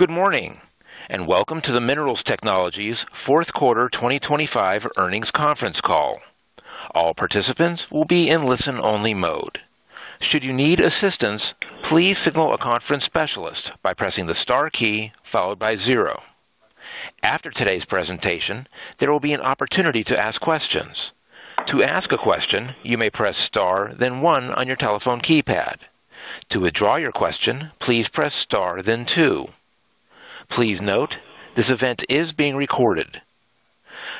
Good morning, and welcome to the Minerals Technologies fourth quarter 2025 earnings conference call. All participants will be in listen-only mode. Should you need assistance, please signal a conference specialist by pressing the star key followed by zero. After today's presentation, there will be an opportunity to ask questions. To ask a question, you may press star, then one on your telephone keypad. To withdraw your question, please press star, then two. Please note, this event is being recorded.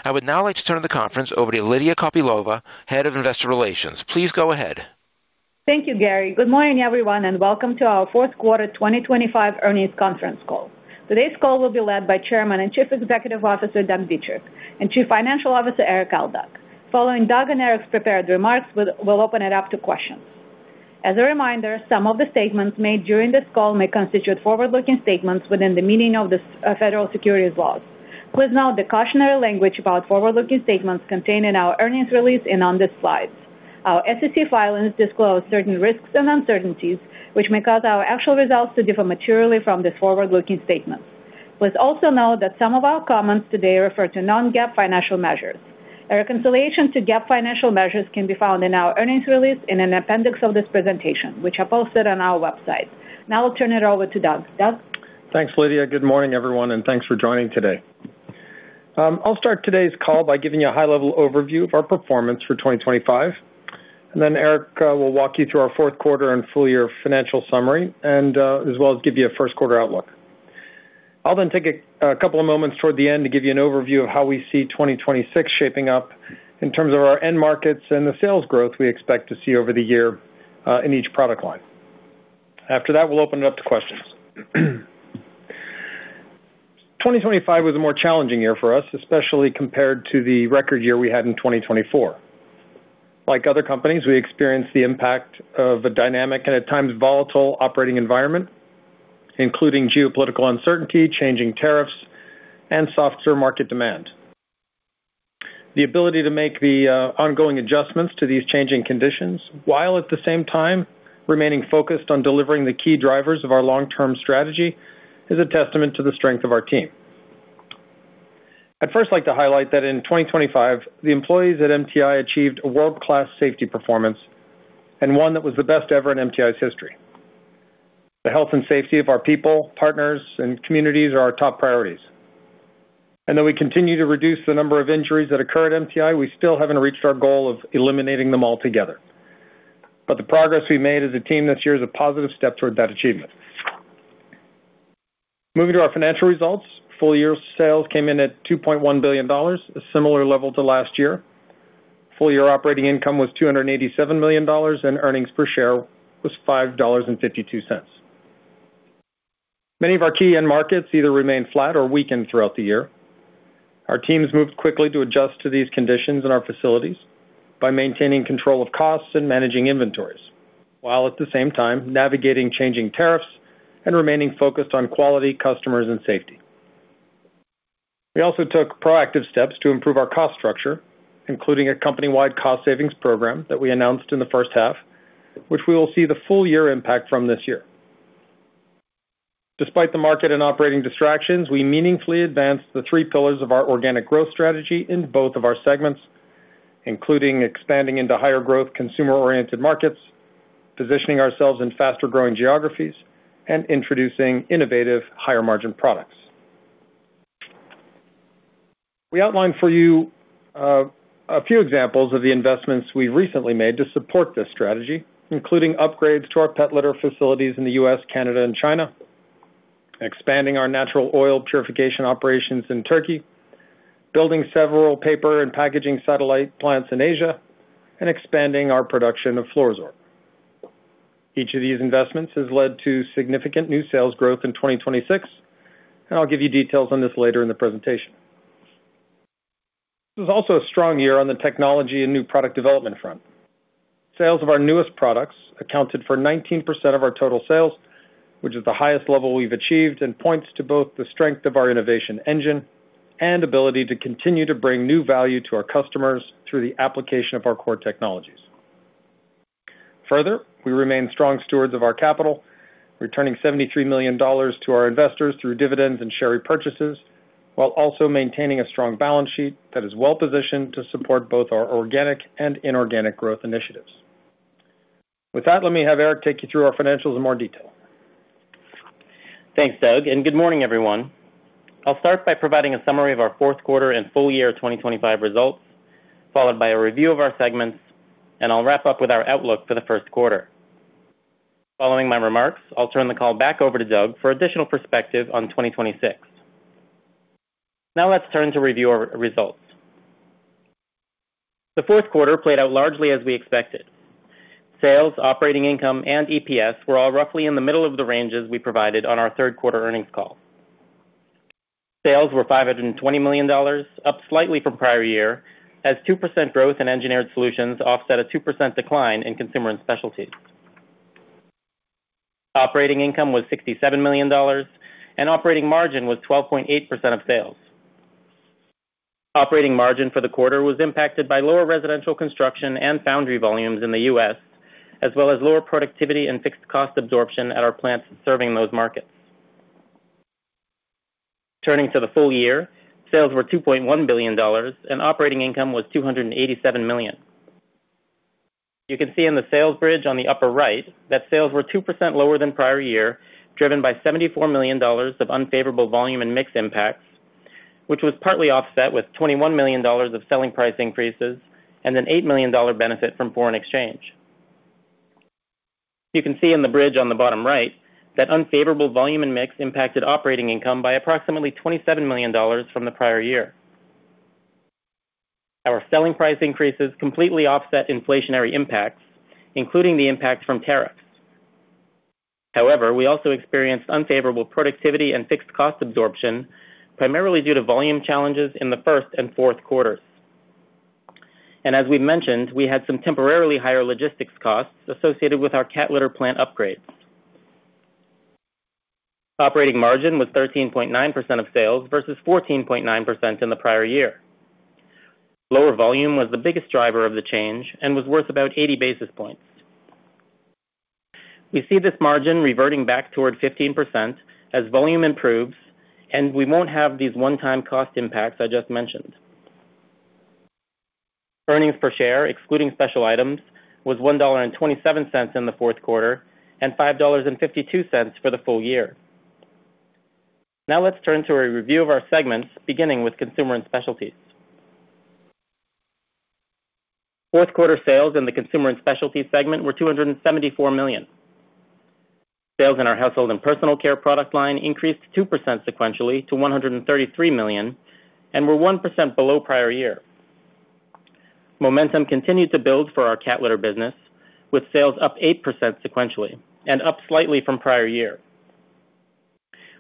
I would now like to turn the conference over to Lydia Kopylova, Head of Investor Relations. Please go ahead. Thank you, Gary. Good morning, everyone, and welcome to our fourth quarter 2025 earnings conference call. Today's call will be led by Chairman and Chief Executive Officer, Doug Dietrich, and Chief Financial Officer, Erik Aldag. Following Doug and Erik's prepared remarks, we'll open it up to questions. As a reminder, some of the statements made during this call may constitute forward-looking statements within the meaning of the federal securities laws. Please note the cautionary language about forward-looking statements contained in our earnings release and on the slides. Our SEC filings disclose certain risks and uncertainties, which may cause our actual results to differ materially from the forward-looking statements. Please also know that some of our comments today refer to non-GAAP financial measures. A reconciliation to GAAP financial measures can be found in our earnings release in an appendix of this presentation, which are posted on our website. Now I'll turn it over to Doug. Doug? Thanks, Lydia. Good morning, everyone, and thanks for joining today. I'll start today's call by giving you a high-level overview of our performance for 2025, and then Erik will walk you through our fourth quarter and full year financial summary, and as well as give you a first quarter outlook. I'll then take a couple of moments toward the end to give you an overview of how we see 2026 shaping up in terms of our end markets and the sales growth we expect to see over the year in each product line. After that, we'll open it up to questions. 2025 was a more challenging year for us, especially compared to the record year we had in 2024. Like other companies, we experienced the impact of a dynamic and at times volatile operating environment, including geopolitical uncertainty, changing tariffs, and softer market demand. The ability to make the ongoing adjustments to these changing conditions, while at the same time remaining focused on delivering the key drivers of our long-term strategy, is a testament to the strength of our team. I'd first like to highlight that in 2025, the employees at MTI achieved a world-class safety performance, and one that was the best ever in MTI's history. The health and safety of our people, partners, and communities are our top priorities. And though we continue to reduce the number of injuries that occur at MTI, we still haven't reached our goal of eliminating them altogether. But the progress we've made as a team this year is a positive step toward that achievement. Moving to our financial results, full year sales came in at $2.1 billion, a similar level to last year. Full year operating income was $287 million, and earnings per share was $5.52. Many of our key end markets either remained flat or weakened throughout the year. Our teams moved quickly to adjust to these conditions in our facilities by maintaining control of costs and managing inventories, while at the same time navigating changing tariffs and remaining focused on quality, customers, and safety. We also took proactive steps to improve our cost structure, including a company-wide cost savings program that we announced in the first half, which we will see the full year impact from this year. Despite the market and operating distractions, we meaningfully advanced the three pillars of our organic growth strategy in both of our segments, including expanding into higher growth, consumer-oriented markets, positioning ourselves in faster growing geographies, and introducing innovative, higher margin products. We outlined for you a few examples of the investments we recently made to support this strategy, including upgrades to our pet litter facilities in the U.S., Canada, and China, expanding our natural oil purification operations in Turkey, building several paper and packaging satellite plants in Asia, and expanding our production of FLUORO-SORB. Each of these investments has led to significant new sales growth in 2026, and I'll give you details on this later in the presentation. This was also a strong year on the technology and new product development front. Sales of our newest products accounted for 19% of our total sales, which is the highest level we've achieved, and points to both the strength of our innovation engine and ability to continue to bring new value to our customers through the application of our core technologies. Further, we remain strong stewards of our capital, returning $73 million to our investors through dividends and share repurchases, while also maintaining a strong balance sheet that is well-positioned to support both our organic and inorganic growth initiatives. With that, let me have Erik take you through our financials in more detail. Thanks, Doug, and good morning, everyone. I'll start by providing a summary of our fourth quarter and full year 2025 results, followed by a review of our segments, and I'll wrap up with our outlook for the first quarter. Following my remarks, I'll turn the call back over to Doug for additional perspective on 2026. Now let's turn to review our results. The fourth quarter played out largely as we expected. Sales, operating income, and EPS were all roughly in the middle of the ranges we provided on our third quarter earnings call. Sales were $520 million, up slightly from prior year, as 2% growth in Engineered Solutions offset a 2% decline in Consumer and Specialties. Operating income was $67 million, and operating margin was 12.8% of sales. Operating margin for the quarter was impacted by lower residential construction and foundry volumes in the U.S., as well as lower productivity and fixed cost absorption at our plants serving those markets. Turning to the full year, sales were $2.1 billion, and operating income was $287 million. You can see in the sales bridge on the upper right, that sales were 2% lower than prior year, driven by $74 million of unfavorable volume and mix impacts, which was partly offset with $21 million of selling price increases and an $8 million benefit from foreign exchange. You can see in the bridge on the bottom right, that unfavorable volume and mix impacted operating income by approximately $27 million from the prior year. Our selling price increases completely offset inflationary impacts, including the impact from tariffs. However, we also experienced unfavorable productivity and fixed cost absorption, primarily due to volume challenges in the first and fourth quarters. As we mentioned, we had some temporarily higher logistics costs associated with our cat litter plant upgrades. Operating margin was 13.9% of sales versus 14.9% in the prior year. Lower volume was the biggest driver of the change and was worth about 80 basis points. We see this margin reverting back toward 15% as volume improves, and we won't have these one-time cost impacts I just mentioned. Earnings per share, excluding special items, was $1.27 in the fourth quarter and $5.52 for the full year. Now let's turn to a review of our segments, beginning with Consumer and Specialties. Fourth quarter sales in the Consumer and Specialties segment were $274 million. Sales in our Household and Personal Care product line increased 2% sequentially to $133 million, and were 1% below prior year. Momentum continued to build for our cat litter business, with sales up 8% sequentially and up slightly from prior year.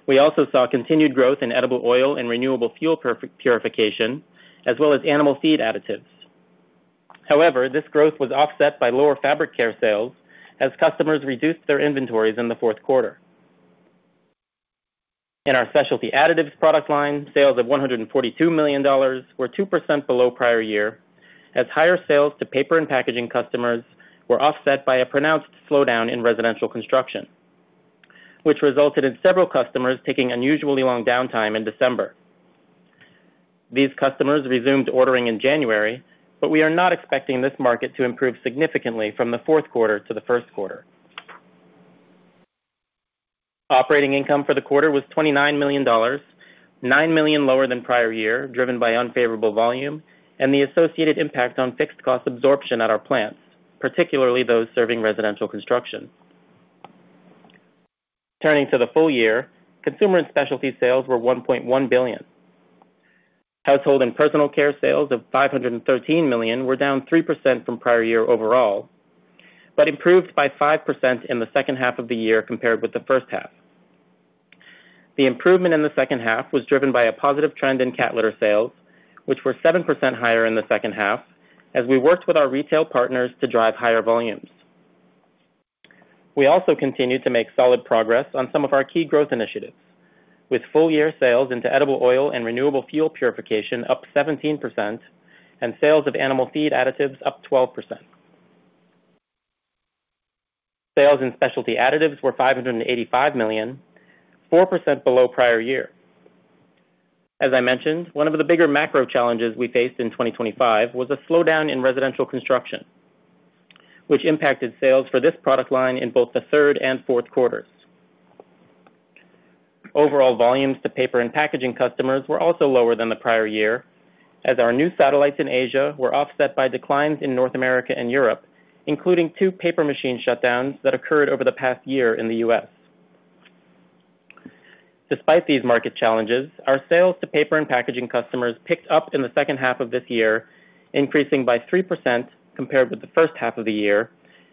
We also saw continued growth in edible oil and renewable fuel purification, as well as animal feed additives. However, this growth was offset by lower fabric care sales as customers reduced their inventories in the fourth quarter. In our Specialty Additives product line, sales of $142 million were 2% below prior year, as higher sales to paper and packaging customers were offset by a pronounced slowdown in residential construction, which resulted in several customers taking unusually long downtime in December. These customers resumed ordering in January, but we are not expecting this market to improve significantly from the fourth quarter to the first quarter. Operating income for the quarter was $29 million, $9 million lower than prior year, driven by unfavorable volume and the associated impact on fixed cost absorption at our plants, particularly those serving residential construction. Turning to the full year, Consumer and Specialty Sales were $1.1 billion. Household and Personal Care sales of $513 million were down 3% from prior year overall, but improved by 5% in the second half of the year compared with the first half. The improvement in the second half was driven by a positive trend in cat litter sales, which were 7% higher in the second half as we worked with our retail partners to drive higher volumes. We also continued to make solid progress on some of our key growth initiatives, with full-year sales into edible oil and renewable fuel purification up 17% and sales of animal feed additives up 12%. Sales in Specialty Additives were $585 million, 4% below prior year. As I mentioned, one of the bigger macro challenges we faced in 2025 was a slowdown in residential construction, which impacted sales for this product line in both the third and fourth quarters. Overall volumes to paper and packaging customers were also lower than the prior year, as our new satellites in Asia were offset by declines in North America and Europe, including two paper machine shutdowns that occurred over the past year in the U.S. Despite these market challenges, our sales to paper and packaging customers picked up in the second half of this year, increasing by 3% compared with the first half of the year,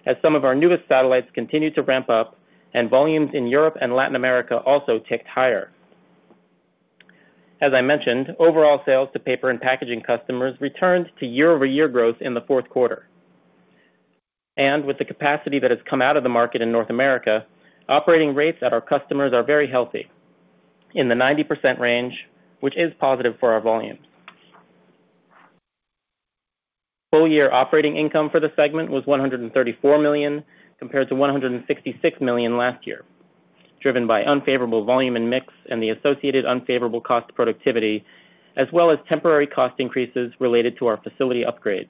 as some of our newest satellites continued to ramp up and volumes in Europe and Latin America also ticked higher. As I mentioned, overall sales to paper and packaging customers returned to year-over-year growth in the fourth quarter. And with the capacity that has come out of the market in North America, operating rates at our customers are very healthy, in the 90% range, which is positive for our volumes. Full-year operating income for the segment was $134 million, compared to $166 million last year, driven by unfavorable volume and mix and the associated unfavorable cost productivity, as well as temporary cost increases related to our facility upgrades.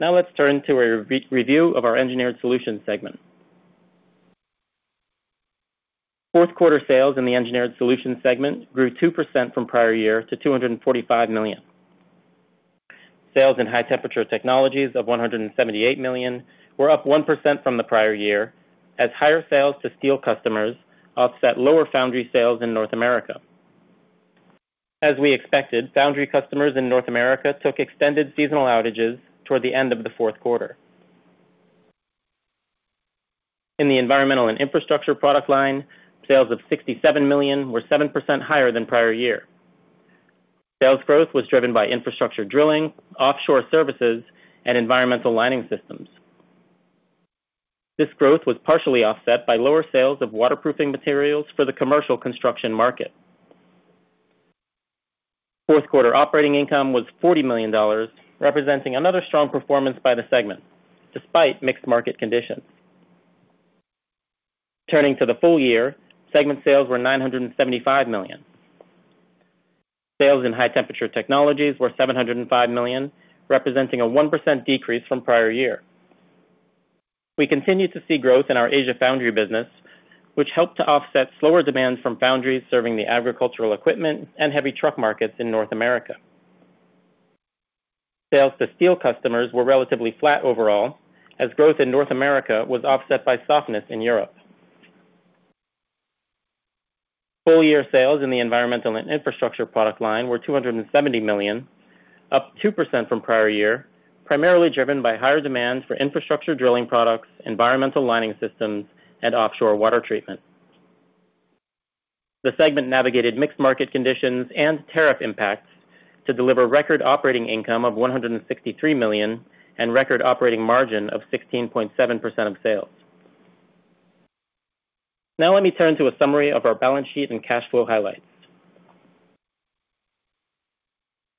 Now let's turn to a review of our Engineered Solutions segment. Fourth quarter sales in the Engineered Solutions segment grew 2% from prior year to $245 million. Sales in High Temperature Technologies of $178 million were up 1% from the prior year, as higher sales to steel customers offset lower foundry sales in North America. As we expected, foundry customers in North America took extended seasonal outages toward the end of the fourth quarter. In the Environmental and Infrastructure product line, sales of $67 million were 7% higher than prior year. Sales growth was driven by infrastructure drilling, offshore services, and environmental lining systems. This growth was partially offset by lower sales of waterproofing materials for the commercial construction market. Fourth quarter operating income was $40 million, representing another strong performance by the segment, despite mixed market conditions. Turning to the full year, segment sales were $975 million. Sales in High Temperature Technologies were $705 million, representing a 1% decrease from prior year. We continued to see growth in our Asia foundry business, which helped to offset slower demand from foundries serving the agricultural equipment and heavy truck markets in North America. Sales to steel customers were relatively flat overall, as growth in North America was offset by softness in Europe. Full-year sales in the Environmental and Infrastructure product line were $270 million, up 2% from prior year, primarily driven by higher demand for infrastructure drilling products, environmental lining systems, and offshore water treatment. The segment navigated mixed market conditions and tariff impacts to deliver record operating income of $163 million and record operating margin of 16.7% of sales. Now let me turn to a summary of our balance sheet and cash flow highlights.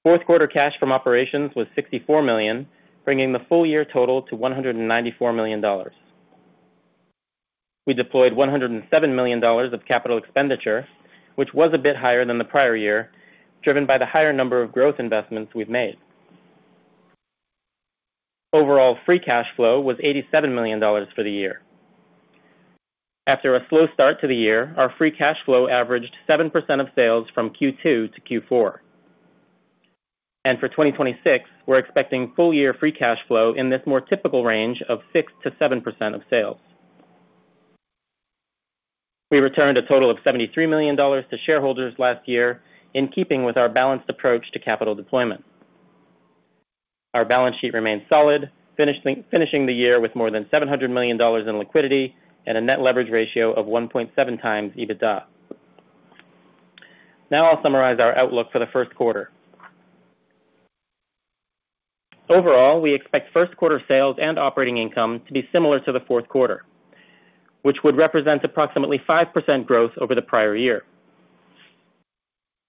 Fourth quarter cash from operations was $64 million, bringing the full year total to $194 million. We deployed $107 million of capital expenditure, which was a bit higher than the prior year, driven by the higher number of growth investments we've made. Overall, free cash flow was $87 million for the year. After a slow start to the year, our free cash flow averaged 7% of sales from Q2 to Q4. And for 2026, we're expecting full-year free cash flow in this more typical range of 6%-7% of sales. We returned a total of $73 million to shareholders last year, in keeping with our balanced approach to capital deployment. Our balance sheet remains solid, finishing the year with more than $700 million in liquidity and a net leverage ratio of 1.7x EBITDA. Now I'll summarize our outlook for the first quarter. Overall, we expect first quarter sales and operating income to be similar to the fourth quarter, which would represent approximately 5% growth over the prior year.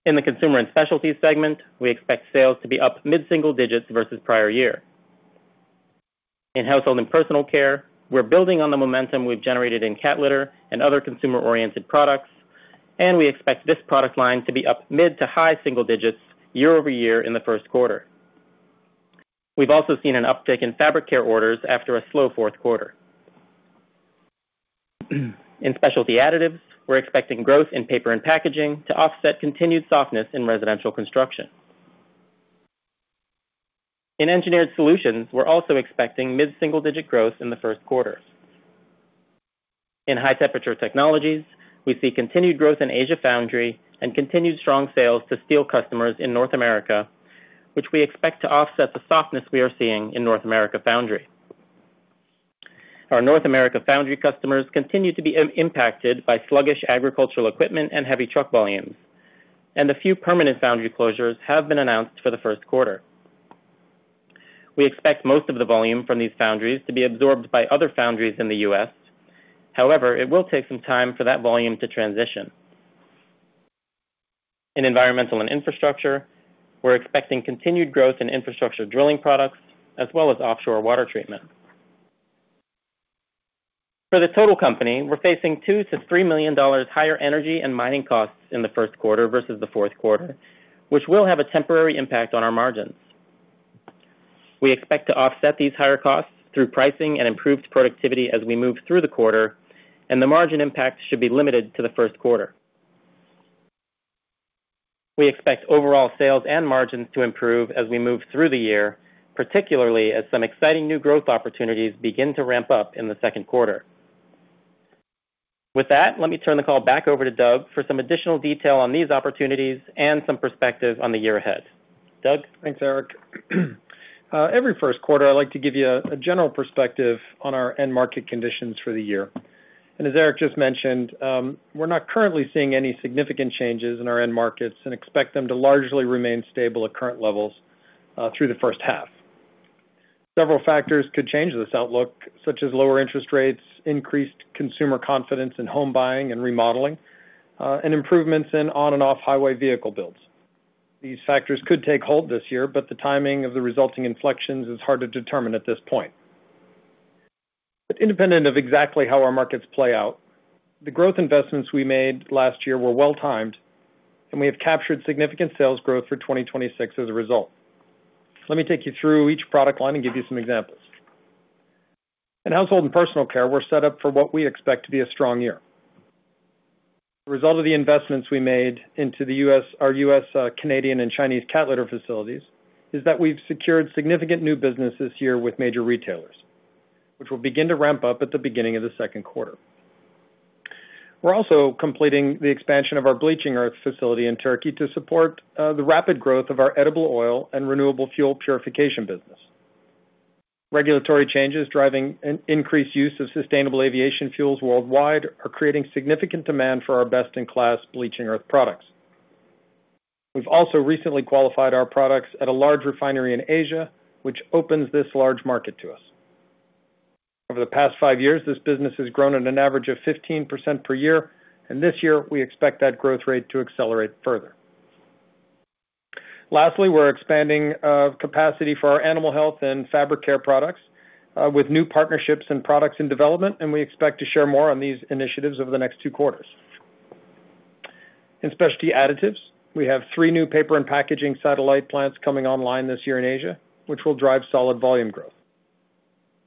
In the Consumer and Specialties segment, we expect sales to be up mid-single digits versus prior year. In Household and Personal Care, we're building on the momentum we've generated in cat litter and other consumer-oriented products, and we expect this product line to be up mid- to high-single digits year-over-year in the first quarter. We've also seen an uptick in fabric care orders after a slow fourth quarter. In Specialty Additives, we're expecting growth in paper and packaging to offset continued softness in residential construction. In Engineered Solutions, we're also expecting mid-single-digit growth in the first quarter. In High Temperature Technologies, we see continued growth in Asia foundry and continued strong sales to steel customers in North America, which we expect to offset the softness we are seeing in North America foundry. Our North America foundry customers continue to be impacted by sluggish agricultural equipment and heavy truck volumes, and a few permanent foundry closures have been announced for the first quarter. We expect most of the volume from these foundries to be absorbed by other foundries in the U.S. However, it will take some time for that volume to transition. In Environmental and Infrastructure, we're expecting continued growth in infrastructure drilling products, as well as offshore water treatment. For the total company, we're facing $2 million-$3 million higher energy and mining costs in the first quarter versus the fourth quarter, which will have a temporary impact on our margins. We expect to offset these higher costs through pricing and improved productivity as we move through the quarter, and the margin impact should be limited to the first quarter. We expect overall sales and margins to improve as we move through the year, particularly as some exciting new growth opportunities begin to ramp up in the second quarter. With that, let me turn the call back over to Doug for some additional detail on these opportunities and some perspective on the year ahead. Doug? Thanks, Erik. Every first quarter, I'd like to give you a general perspective on our end market conditions for the year. As Erik just mentioned, we're not currently seeing any significant changes in our end markets and expect them to largely remain stable at current levels through the first half. Several factors could change this outlook, such as lower interest rates, increased consumer confidence in home buying and remodeling, and improvements in on and off highway vehicle builds. These factors could take hold this year, but the timing of the resulting inflections is hard to determine at this point. Independent of exactly how our markets play out, the growth investments we made last year were well-timed, and we have captured significant sales growth for 2026 as a result. Let me take you through each product line and give you some examples. In Household and Personal Care, we're set up for what we expect to be a strong year. The result of the investments we made into the U.S., our U.S., Canadian, and Chinese cat litter facilities, is that we've secured significant new business this year with major retailers, which will begin to ramp up at the beginning of the second quarter. We're also completing the expansion of our bleaching earth facility in Turkey to support the rapid growth of our edible oil and renewable fuel purification business. Regulatory changes driving an increased use of sustainable aviation fuels worldwide are creating significant demand for our best-in-class bleaching earth products. We've also recently qualified our products at a large refinery in Asia, which opens this large market to us. Over the past five years, this business has grown at an average of 15% per year, and this year we expect that growth rate to accelerate further. Lastly, we're expanding capacity for our animal health and fabric care products with new partnerships and products in development, and we expect to share more on these initiatives over the next two quarters. In Specialty Additives, we have three new paper and packaging satellite plants coming online this year in Asia, which will drive solid volume growth.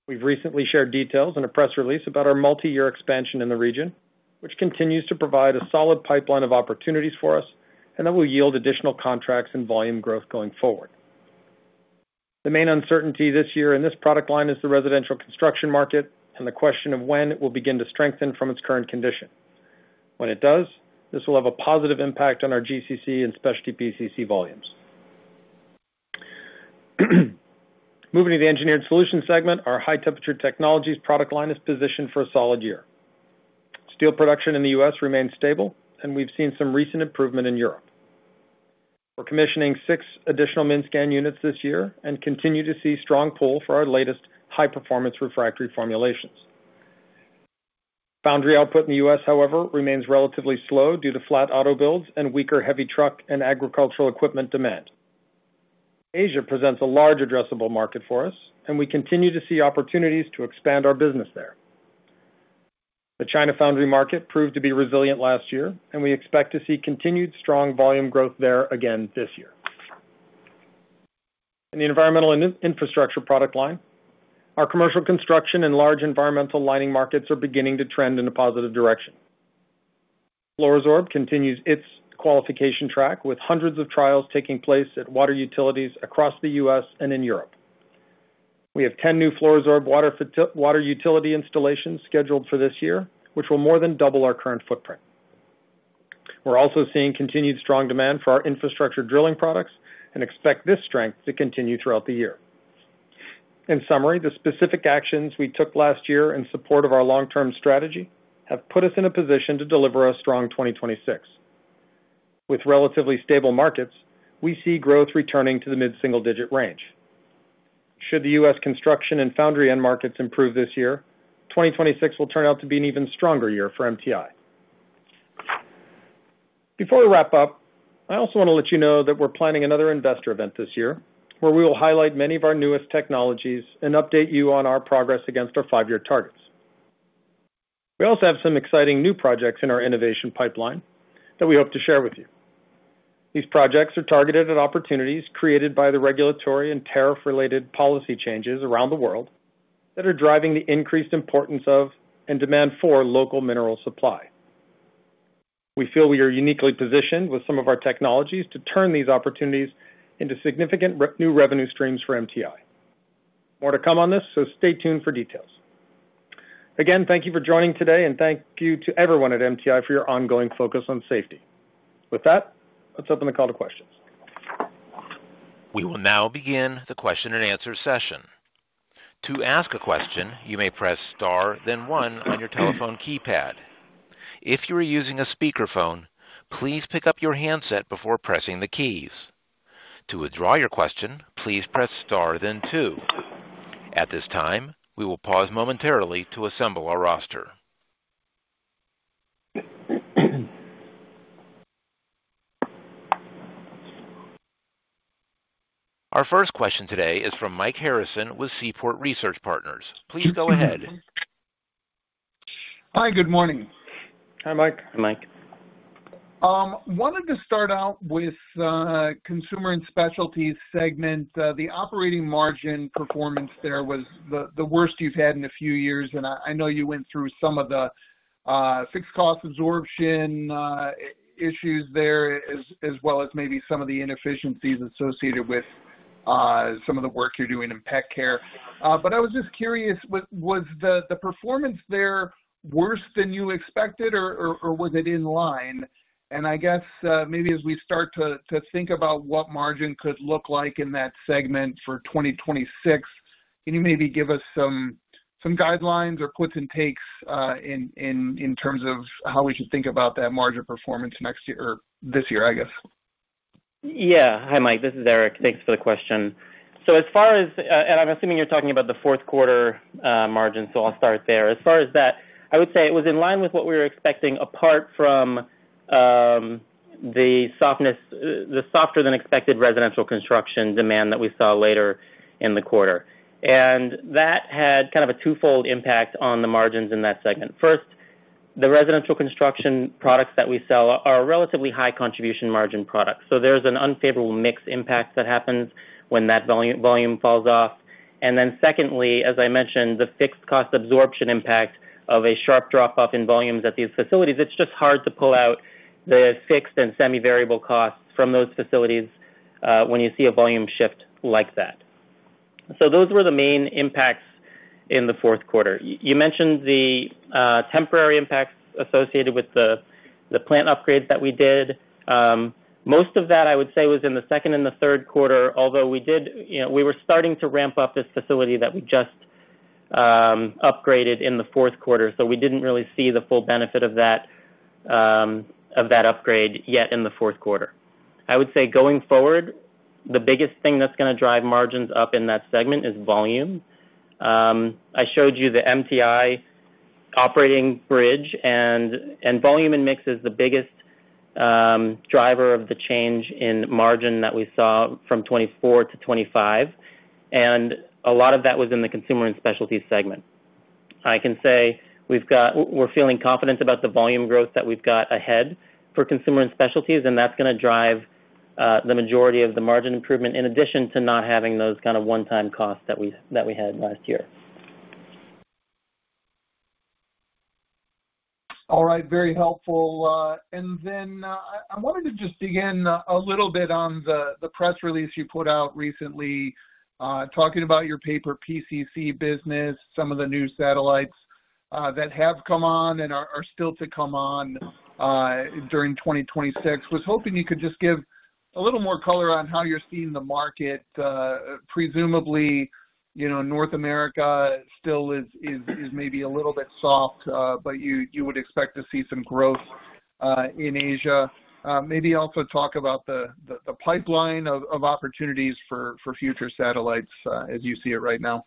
We've recently shared details in a press release about our multi-year expansion in the region, which continues to provide a solid pipeline of opportunities for us and that will yield additional contracts and volume growth going forward. The main uncertainty this year in this product line is the residential construction market and the question of when it will begin to strengthen from its current condition. When it does, this will have a positive impact on our GCC and Specialty PCC volumes. Moving to the Engineered Solutions segment, our High Temperature Technologies product line is positioned for a solid year. Steel production in the U.S. remains stable, and we've seen some recent improvement in Europe. We're commissioning six additional MINSCAN units this year and continue to see strong pull for our latest high-performance refractory formulations. Foundry output in the U.S., however, remains relatively slow due to flat auto builds and weaker heavy truck and agricultural equipment demand. Asia presents a large addressable market for us, and we continue to see opportunities to expand our business there. The China foundry market proved to be resilient last year, and we expect to see continued strong volume growth there again this year. In the Environmental and Infrastructure product line, our commercial construction and large environmental lining markets are beginning to trend in a positive direction. FLUORO-SORB continues its qualification track, with hundreds of trials taking place at water utilities across the U.S. and in Europe. We have 10 new FLUORO-SORB water utility installations scheduled for this year, which will more than double our current footprint. We're also seeing continued strong demand for our infrastructure drilling products and expect this strength to continue throughout the year. In summary, the specific actions we took last year in support of our long-term strategy have put us in a position to deliver a strong 2026. With relatively stable markets, we see growth returning to the mid-single-digit range. Should the U.S. construction and foundry end markets improve this year, 2026 will turn out to be an even stronger year for MTI. Before we wrap up, I also want to let you know that we're planning another investor event this year, where we will highlight many of our newest technologies and update you on our progress against our five-year targets. We also have some exciting new projects in our innovation pipeline that we hope to share with you. These projects are targeted at opportunities created by the regulatory and tariff-related policy changes around the world, that are driving the increased importance of and demand for local mineral supply. We feel we are uniquely positioned with some of our technologies to turn these opportunities into significant new revenue streams for MTI. More to come on this, so stay tuned for details. Again, thank you for joining today, and thank you to everyone at MTI for your ongoing focus on safety. With that, let's open the call to questions. We will now begin the question-and-answer session. To ask a question, you may press star, then one on your telephone keypad. If you are using a speakerphone, please pick up your handset before pressing the keys. To withdraw your question, please press star, then two. At this time, we will pause momentarily to assemble our roster. Our first question today is from Mike Harrison with Seaport Research Partners. Please go ahead. Hi, good morning. Hi, Mike. Hi, Mike. Wanted to start out with Consumer and Specialties segment. The operating margin performance there was the worst you've had in a few years, and I know you went through some of the fixed cost absorption issues there, as well as maybe some of the inefficiencies associated with some of the work you're doing in pet care. But I was just curious, was the performance there worse than you expected or was it in line? And I guess, maybe as we start to think about what margin could look like in that segment for 2026, can you maybe give us some guidelines or puts and takes, in terms of how we should think about that margin performance next year or this year, I guess? Yeah. Hi, Mike, this is Erik. Thanks for the question. So as far as and I'm assuming you're talking about the fourth quarter margin, so I'll start there. As far as that, I would say it was in line with what we were expecting, apart from the softness, the softer-than-expected residential construction demand that we saw later in the quarter. And that had kind of a twofold impact on the margins in that segment. First, the residential construction products that we sell are relatively high contribution margin products, so there's an unfavorable mix impact that happens when that volume falls off. And then secondly, as I mentioned, the fixed cost absorption impact of a sharp drop-off in volumes at these facilities, it's just hard to pull out the fixed and semi-variable costs from those facilities when you see a volume shift like that. So those were the main impacts in the fourth quarter. You mentioned the temporary impacts associated with the plant upgrades that we did. Most of that, I would say, was in the second and the third quarter, although we did, you know, we were starting to ramp up this facility that we just upgraded in the fourth quarter, so we didn't really see the full benefit of that, of that upgrade yet in the fourth quarter. I would say, going forward, the biggest thing that's gonna drive margins up in that segment is volume. I showed you the MTI operating bridge, and volume and mix is the biggest driver of the change in margin that we saw from 2024 to 2025, and a lot of that was in the Consumer and Specialties segment. I can say we're feeling confident about the volume growth that we've got ahead for Consumer and Specialties, and that's gonna drive the majority of the margin improvement, in addition to not having those kind of one-time costs that we, that we had last year. All right, very helpful. And then I wanted to just dig in a little bit on the press release you put out recently, talking about your paper PCC business, some of the new satellites that have come on and are still to come on during 2026. Was hoping you could just give a little more color on how you're seeing the market. Presumably, you know, North America still is maybe a little bit soft, but you would expect to see some growth in Asia. Maybe also talk about the pipeline of opportunities for future satellites as you see it right now.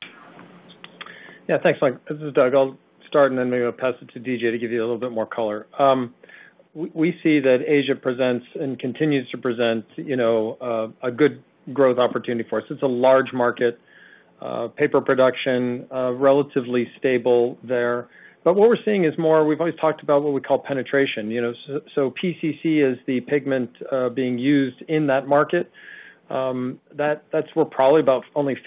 Yeah, thanks, Mike. This is Doug. I'll start and then maybe I'll pass it to D.J. to give you a little bit more color. We see that Asia presents and continues to present, you know, a good growth opportunity for us. It's a large market, paper production, relatively stable there. But what we're seeing is more. We've always talked about what we call penetration, you know, so, so PCC is the pigment, being used in that market. That's where we're probably only about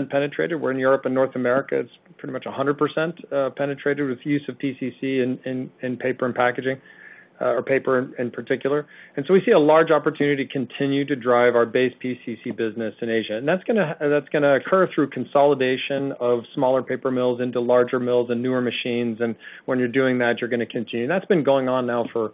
50% penetrated, where in Europe and North America, it's pretty much 100%, penetrated with use of PCC in, in, in paper and packaging, or paper in particular. And so we see a large opportunity to continue to drive our base PCC business in Asia. That's gonna occur through consolidation of smaller paper mills into larger mills and newer machines, and when you're doing that, you're gonna continue. That's been going on now for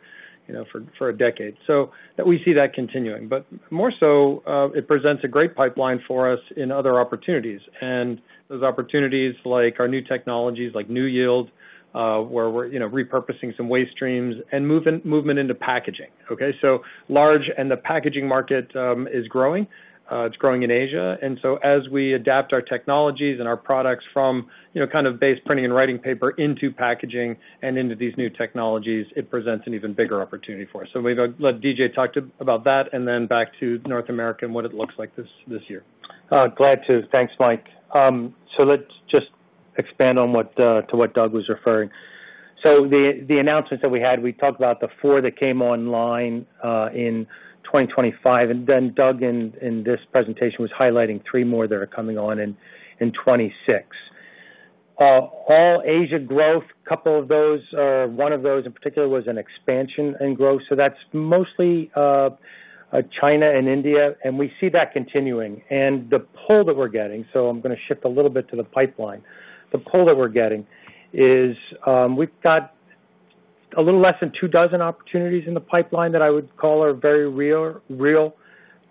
you know a decade. So we see that continuing. But more so, it presents a great pipeline for us in other opportunities. And those opportunities, like our new technologies, like NewYield, where we're you know repurposing some waste streams and movement into packaging, okay? So the packaging market is growing. It's growing in Asia. And so as we adapt our technologies and our products from you know kind of base printing and writing paper into packaging and into these new technologies, it presents an even bigger opportunity for us. We're gonna let D.J. talk about that, and then back to North America and what it looks like this year. Glad to. Thanks, Mike. So let's just expand on what to what Doug was referring. So the announcements that we had, we talked about the four that came online in 2025, and then Doug in this presentation was highlighting three more that are coming on in 2026. All Asia growth, couple of those, or one of those in particular, was an expansion in growth, so that's mostly China and India, and we see that continuing. And the pull that we're getting, so I'm gonna shift a little bit to the pipeline. The pull that we're getting is, we've got a little less than two dozen opportunities in the pipeline that I would call are very real, real.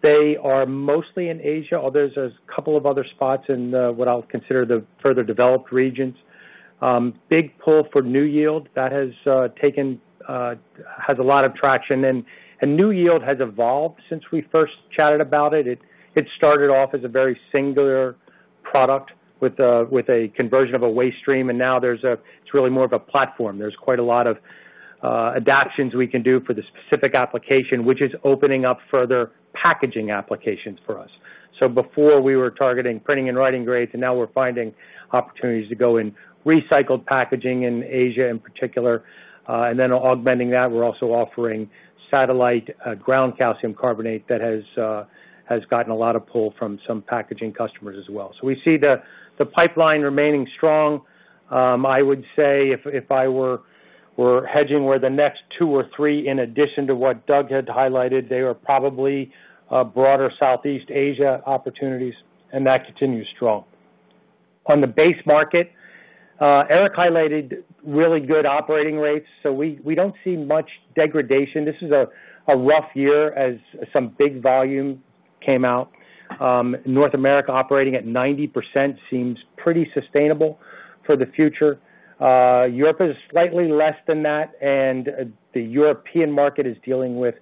They are mostly in Asia, although there's a couple of other spots in what I'll consider the further developed regions. Big pull for NewYield. That has a lot of traction. NewYield has evolved since we first chatted about it. It started off as a very singular product with a conversion of a waste stream, and now it's really more of a platform. There's quite a lot of adaptations we can do for the specific application, which is opening up further packaging applications for us. So before we were targeting printing and writing grades, and now we're finding opportunities to go in recycled packaging in Asia, in particular, and then augmenting that, we're also offering satellite ground calcium carbonate that has gotten a lot of pull from some packaging customers as well. So we see the pipeline remaining strong. I would say if I were hedging where the next two or three, in addition to what Doug had highlighted, they are probably a broader Southeast Asia opportunities, and that continues strong. On the base market, Erik highlighted really good operating rates, so we don't see much degradation. This is a rough year as some big volume came out. North America operating at 90% seems pretty sustainable for the future. Europe is slightly less than that, and the European market is dealing with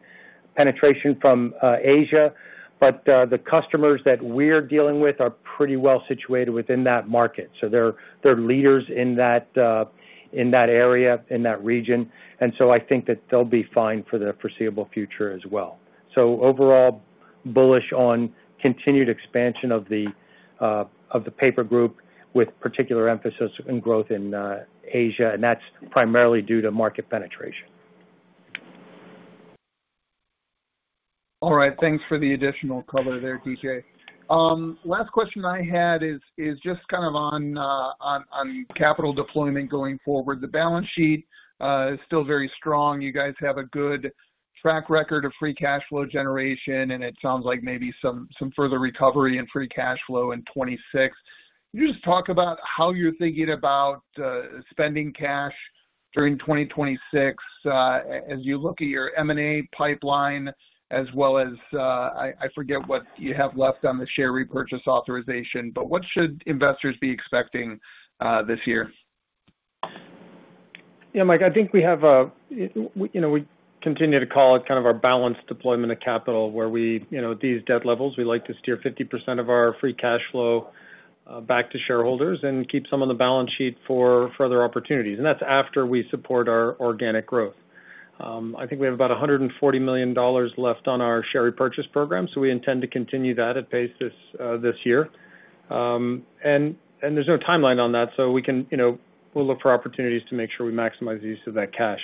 penetration from Asia, but the customers that we're dealing with are pretty well situated within that market. So they're leaders in that area, in that region, and so I think that they'll be fine for the foreseeable future as well. Overall, bullish on continued expansion of the paper group, with particular emphasis on growth in Asia, and that's primarily due to market penetration. All right. Thanks for the additional color there, D.J. Last question I had is just kind of on capital deployment going forward. The balance sheet is still very strong. You guys have a good track record of free cash flow generation, and it sounds like maybe some further recovery in free cash flow in 2026. Can you just talk about how you're thinking about spending cash during 2026 as you look at your M&A pipeline as well as I forget what you have left on the share repurchase authorization, but what should investors be expecting this year? Yeah, Mike, I think we have a you know, we continue to call it kind of our balanced deployment of capital, where we, you know, at these debt levels, we like to steer 50% of our free cash flow back to shareholders and keep some on the balance sheet for further opportunities, and that's after we support our organic growth. I think we have about $140 million left on our share repurchase program, so we intend to continue that at pace this year. And there's no timeline on that, so we can, you know, we'll look for opportunities to make sure we maximize the use of that cash.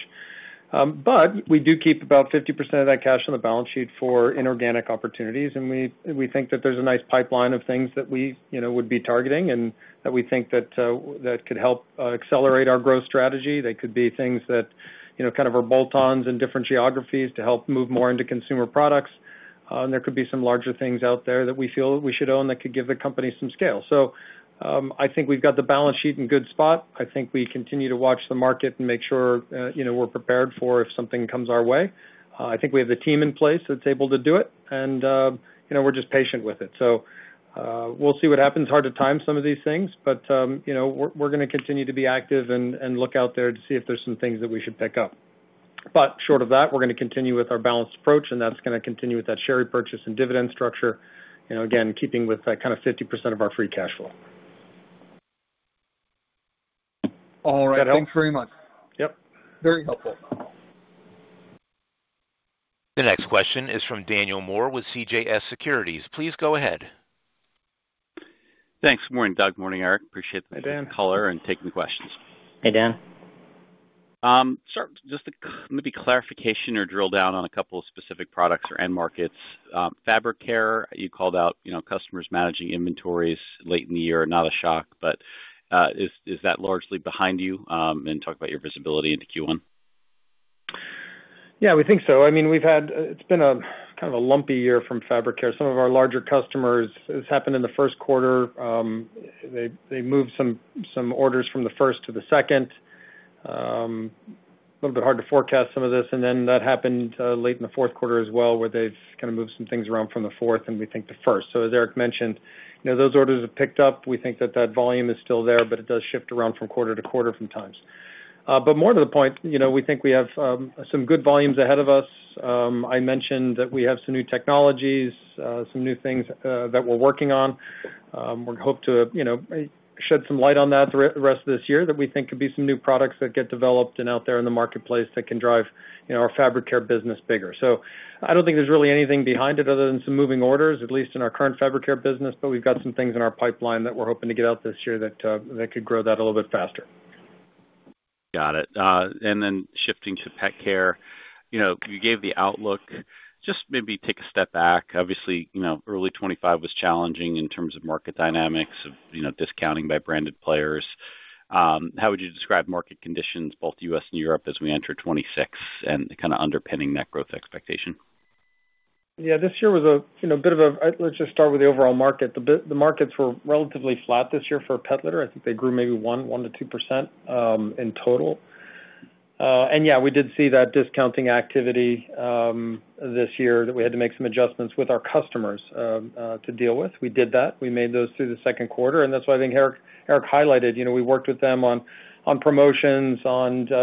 But we do keep about 50% of that cash on the balance sheet for inorganic opportunities, and we, and we think that there's a nice pipeline of things that we, you know, would be targeting and that we think that, that could help accelerate our growth strategy. They could be things that, you know, kind of are bolt-ons in different geographies to help move more into consumer products. And there could be some larger things out there that we feel we should own that could give the company some scale. So, I think we've got the balance sheet in good spot. I think we continue to watch the market and make sure, you know, we're prepared for if something comes our way. I think we have the team in place that's able to do it, and, you know, we're just patient with it. So, we'll see what happens. Hard to time some of these things, but, you know, we're gonna continue to be active and look out there to see if there's some things that we should pick up. But short of that, we're gonna continue with our balanced approach, and that's gonna continue with that share repurchase and dividend structure, you know, again, keeping with that kind of 50% of our free cash flow. All right. That help? Thanks very much. Yep. Very helpful. The next question is from Daniel Moore with CJS Securities. Please go ahead. Thanks. Morning, Doug. Morning, Eric. Appreciate the- Hi, Dan. Color and taking questions. Hey, Dan. So just a maybe clarification or drill down on a couple of specific products or end markets. Fabric care, you called out, you know, customers managing inventories late in the year. Not a shock, but is that largely behind you? And talk about your visibility into Q1. Yeah, we think so. I mean, we've had a kind of a lumpy year from fabric care. Some of our larger customers, this happened in the first quarter, they moved some orders from the first to the second. A little bit hard to forecast some of this, and then that happened late in the fourth quarter as well, where they've kind of moved some things around from the fourth, and we think the first. So as Erik mentioned, you know, those orders have picked up. We think that that volume is still there, but it does shift around from quarter-to-quarter from time to time. But more to the point, you know, we think we have some good volumes ahead of us. I mentioned that we have some new technologies, some new things that we're working on. We hope to, you know, shed some light on that, the rest of this year, that we think could be some new products that get developed and out there in the marketplace that can drive, you know, our fabric care business bigger. So I don't think there's really anything behind it other than some moving orders, at least in our current fabric care business, but we've got some things in our pipeline that we're hoping to get out this year that could grow that a little bit faster. Got it. And then shifting to pet care, you know, you gave the outlook. Just maybe take a step back. Obviously, you know, early 2025 was challenging in terms of market dynamics, of, you know, discounting by branded players. How would you describe market conditions, both U.S. and Europe, as we enter 2026 and the kind of underpinning net growth expectation? Yeah, this year was a, you know, bit of a. Let's just start with the overall market. The markets were relatively flat this year for pet litter. I think they grew maybe 1%-2% in total. And yeah, we did see that discounting activity this year, that we had to make some adjustments with our customers to deal with. We did that. We made those through the second quarter, and that's why I think Erik highlighted. You know, we worked with them on promotions,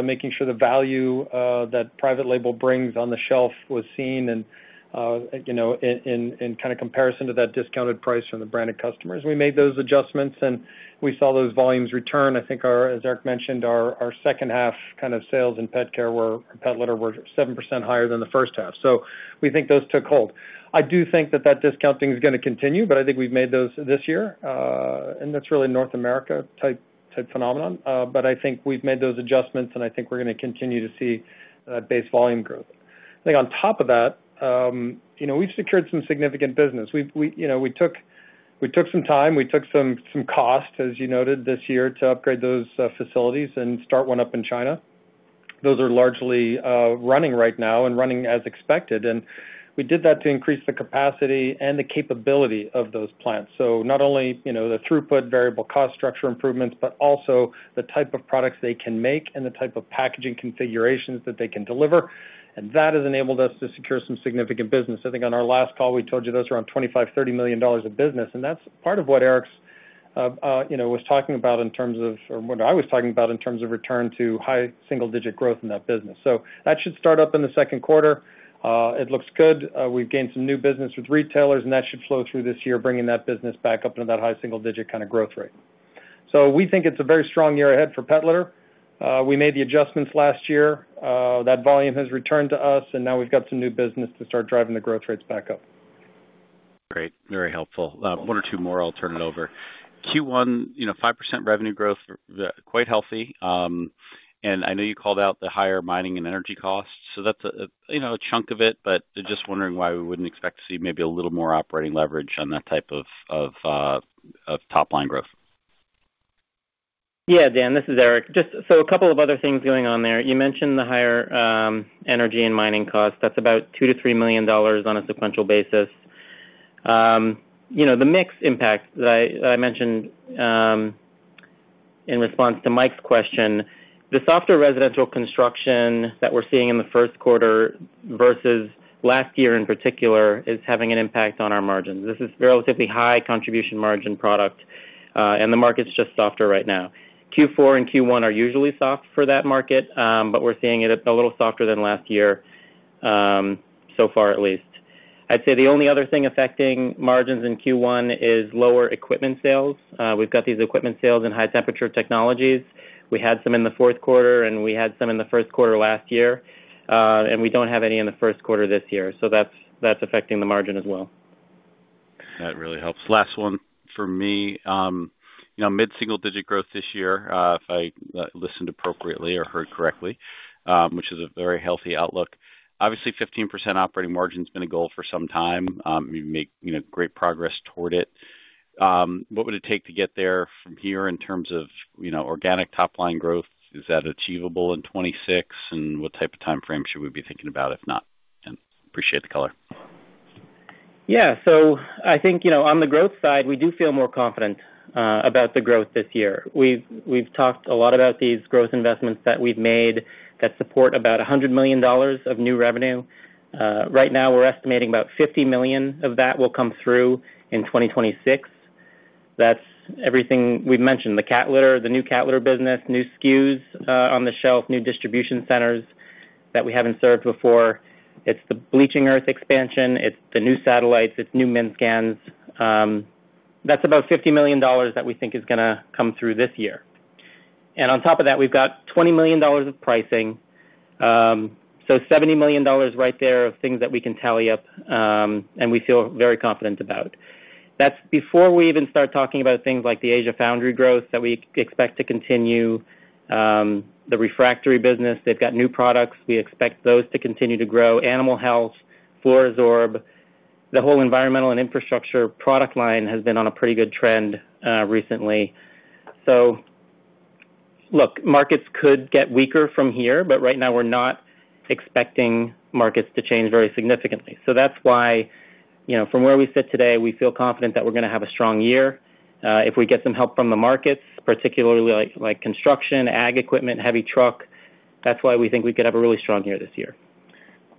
making sure the value that private label brings on the shelf was seen and, you know, in kind of comparison to that discounted price from the branded customers. We made those adjustments, and we saw those volumes return. I think, as Erik mentioned, our second half kind of sales in pet care were, pet litter, were 7% higher than the first half. So we think those took hold. I do think that that discounting is gonna continue, but I think we've made those this year, and that's really North America type phenomenon. But I think we've made those adjustments, and I think we're gonna continue to see base volume growth. I think on top of that, you know, we've secured some significant business. We, you know, we took some cost, as you noted, this year, to upgrade those facilities and start one up in China. Those are largely running right now and running as expected, and we did that to increase the capacity and the capability of those plants. So not only, you know, the throughput variable cost structure improvements, but also the type of products they can make and the type of packaging configurations that they can deliver, and that has enabled us to secure some significant business. I think on our last call, we told you those were around $25 million-$30 million of business, and that's part of what Erik's, you know, was talking about in terms of, or what I was talking about in terms of return to high single digit growth in that business. So that should start up in the second quarter. It looks good. We've gained some new business with retailers, and that should flow through this year, bringing that business back up into that high single digit kind of growth rate. So we think it's a very strong year ahead for pet litter. We made the adjustments last year. That volume has returned to us, and now we've got some new business to start driving the growth rates back up. Great, very helpful. One or two more, I'll turn it over. Q1, you know, 5% revenue growth, quite healthy. And I know you called out the higher mining and energy costs, so that's a, you know, a chunk of it, but just wondering why we wouldn't expect to see maybe a little more operating leverage on that type of top-line growth. Yeah, Dan, this is Erik. Just so a couple of other things going on there. You mentioned the higher energy and mining costs. That's about $2 million-$3 million on a sequential basis. You know, the mix impact that I mentioned in response to Mike's question, the softer residential construction that we're seeing in the first quarter versus last year, in particular, is having an impact on our margins. This is relatively high contribution margin product, and the market's just softer right now. Q4 and Q1 are usually soft for that market, but we're seeing it a little softer than last year, so far, at least. I'd say the only other thing affecting margins in Q1 is lower equipment sales. We've got these equipment sales in High Temperature Technologies. We had some in the fourth quarter, and we had some in the first quarter last year, and we don't have any in the first quarter this year. So that's, that's affecting the margin as well. That really helps. Last one for me. You know, mid-single digit growth this year, if I listened appropriately or heard correctly, which is a very healthy outlook. Obviously, 15% operating margin's been a goal for some time. You've made, you know, great progress toward it. What would it take to get there from here in terms of, you know, organic top line growth? Is that achievable in 2026? And what type of timeframe should we be thinking about, if not? And appreciate the color. Yeah. So I think, you know, on the growth side, we do feel more confident about the growth this year. We've talked a lot about these growth investments that we've made that support about $100 million of new revenue. Right now, we're estimating about $50 million of that will come through in 2026. That's everything we've mentioned, the cat litter, the new cat litter business, new SKUs on the shelf, new distribution centers that we haven't served before. It's the bleaching earth expansion, it's the new satellites, it's new MINSCANs. That's about $50 million that we think is gonna come through this year. And on top of that, we've got $20 million of pricing. So $70 million right there of things that we can tally up, and we feel very confident about. That's before we even start talking about things like the Asia foundry growth that we expect to continue. The refractory business, they've got new products. We expect those to continue to grow. Animal health, FLUORO-SORB, the whole Environmental and Infrastructure product line has been on a pretty good trend recently. So look, markets could get weaker from here, but right now we're not expecting markets to change very significantly. So that's why, you know, from where we sit today, we feel confident that we're gonna have a strong year. If we get some help from the markets, particularly like, like construction, ag equipment, heavy truck, that's why we think we could have a really strong year this year.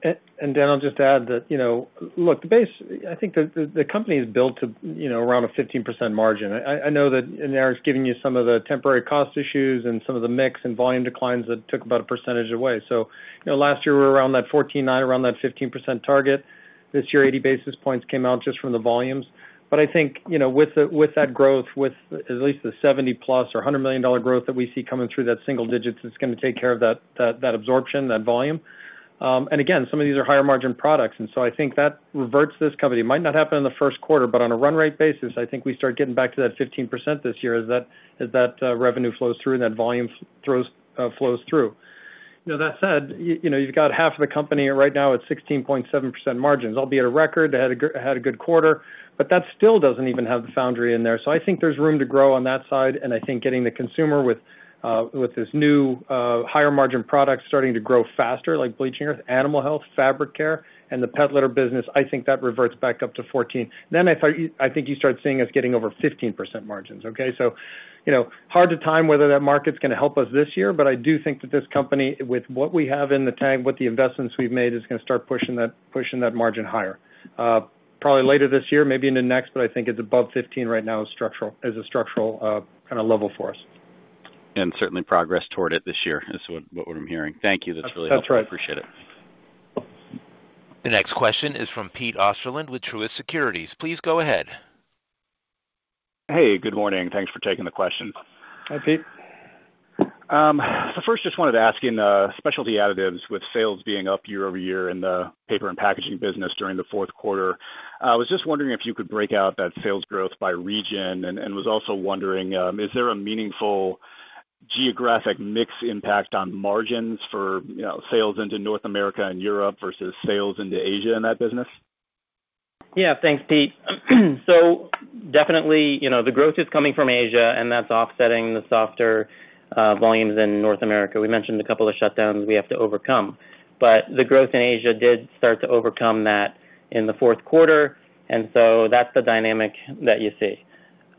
Dan, I'll just add that, you know, look, the base, I think the company is built to, you know, around a 15% margin. I know that, and Erik's giving you some of the temporary cost issues and some of the mix and volume declines that took about a percentage away. So, you know, last year, we were around that 14.9%, around that 15% target. This year, 80 basis points came out just from the volumes. But I think, you know, with that growth, with at least the 70+ or $100 million growth that we see coming through, that single digits is gonna take care of that absorption, that volume. And again, some of these are higher margin products, and so I think that reverts this company. It might not happen in the first quarter, but on a run rate basis, I think we start getting back to that 15% this year as that revenue flows through and that volume flows through. You know, that said, you know, you've got half of the company right now at 16.7% margins, albeit a record. They had a good quarter, but that still doesn't even have the foundry in there. So I think there's room to grow on that side, and I think getting the consumer with this new higher margin products starting to grow faster, like bleaching earth, animal health, fabric care, and the pet litter business, I think that reverts back up to 14%. Then I think you start seeing us getting over 15% margins, okay? So, you know, hard to time whether that market's gonna help us this year, but I do think that this company, with what we have in the tank, with the investments we've made, is gonna start pushing that, pushing that margin higher. Probably later this year, maybe into next, but I think it's above 15% right now is structural kind of level for us. Certainly progress toward it this year is what, what I'm hearing. Thank you. That's really helpful. That's right. Appreciate it. The next question is from Pete Osterland with Truist Securities. Please go ahead. Hey, good morning. Thanks for taking the question. Hi, Pete. So first, just wanted to ask in Specialty Additives, with sales being up year-over-year in the paper and packaging business during the fourth quarter, I was just wondering if you could break out that sales growth by region? And was also wondering, is there a meaningful geographic mix impact on margins for, you know, sales into North America and Europe versus sales into Asia in that business? Yeah, thanks, Pete. So definitely, you know, the growth is coming from Asia, and that's offsetting the softer volumes in North America. We mentioned a couple of shutdowns we have to overcome, but the growth in Asia did start to overcome that in the fourth quarter, and so that's the dynamic that you see.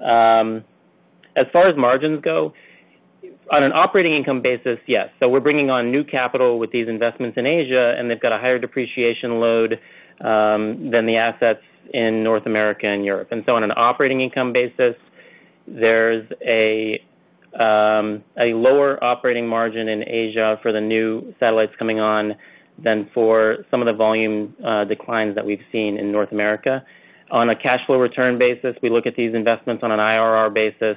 As far as margins go, on an operating income basis, yes. So we're bringing on new capital with these investments in Asia, and they've got a higher depreciation load than the assets in North America and Europe. And so on an operating income basis, there's a lower operating margin in Asia for the new satellites coming on than for some of the volume declines that we've seen in North America. On a cash flow return basis, we look at these investments on an IRR basis.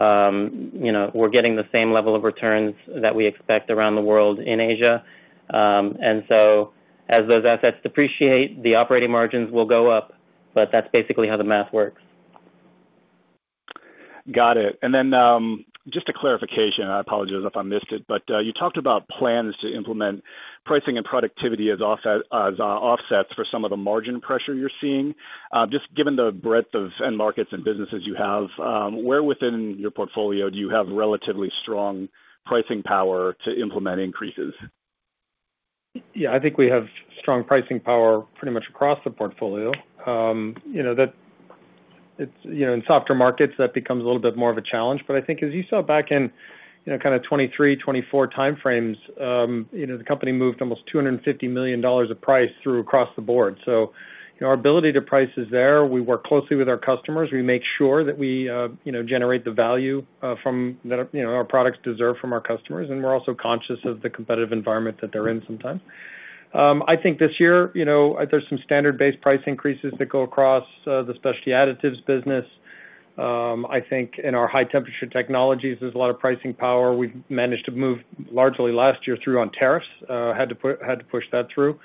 You know, we're getting the same level of returns that we expect around the world in Asia. So as those assets depreciate, the operating margins will go up, but that's basically how the math works. Got it. And then, just a clarification, I apologize if I missed it, but, you talked about plans to implement pricing and productivity as offsets for some of the margin pressure you're seeing. Just given the breadth of end markets and businesses you have, where within your portfolio do you have relatively strong pricing power to implement increases? Yeah, I think we have strong pricing power pretty much across the portfolio. You know, that it's, you know, in softer markets, that becomes a little bit more of a challenge. But I think as you saw back in, you know, kind of 2023, 2024 timeframes, you know, the company moved almost $250 million of price through across the board. So, you know, our ability to price is there. We work closely with our customers. We make sure that we, you know, generate the value, from, you know, our products deserve from our customers, and we're also conscious of the competitive environment that they're in sometimes. I think this year, you know, there's some standard base price increases that go across, the Specialty Additives business. I think in our High Temperature Technologies, there's a lot of pricing power. We've managed to move largely last year through on tariffs, had to push that through.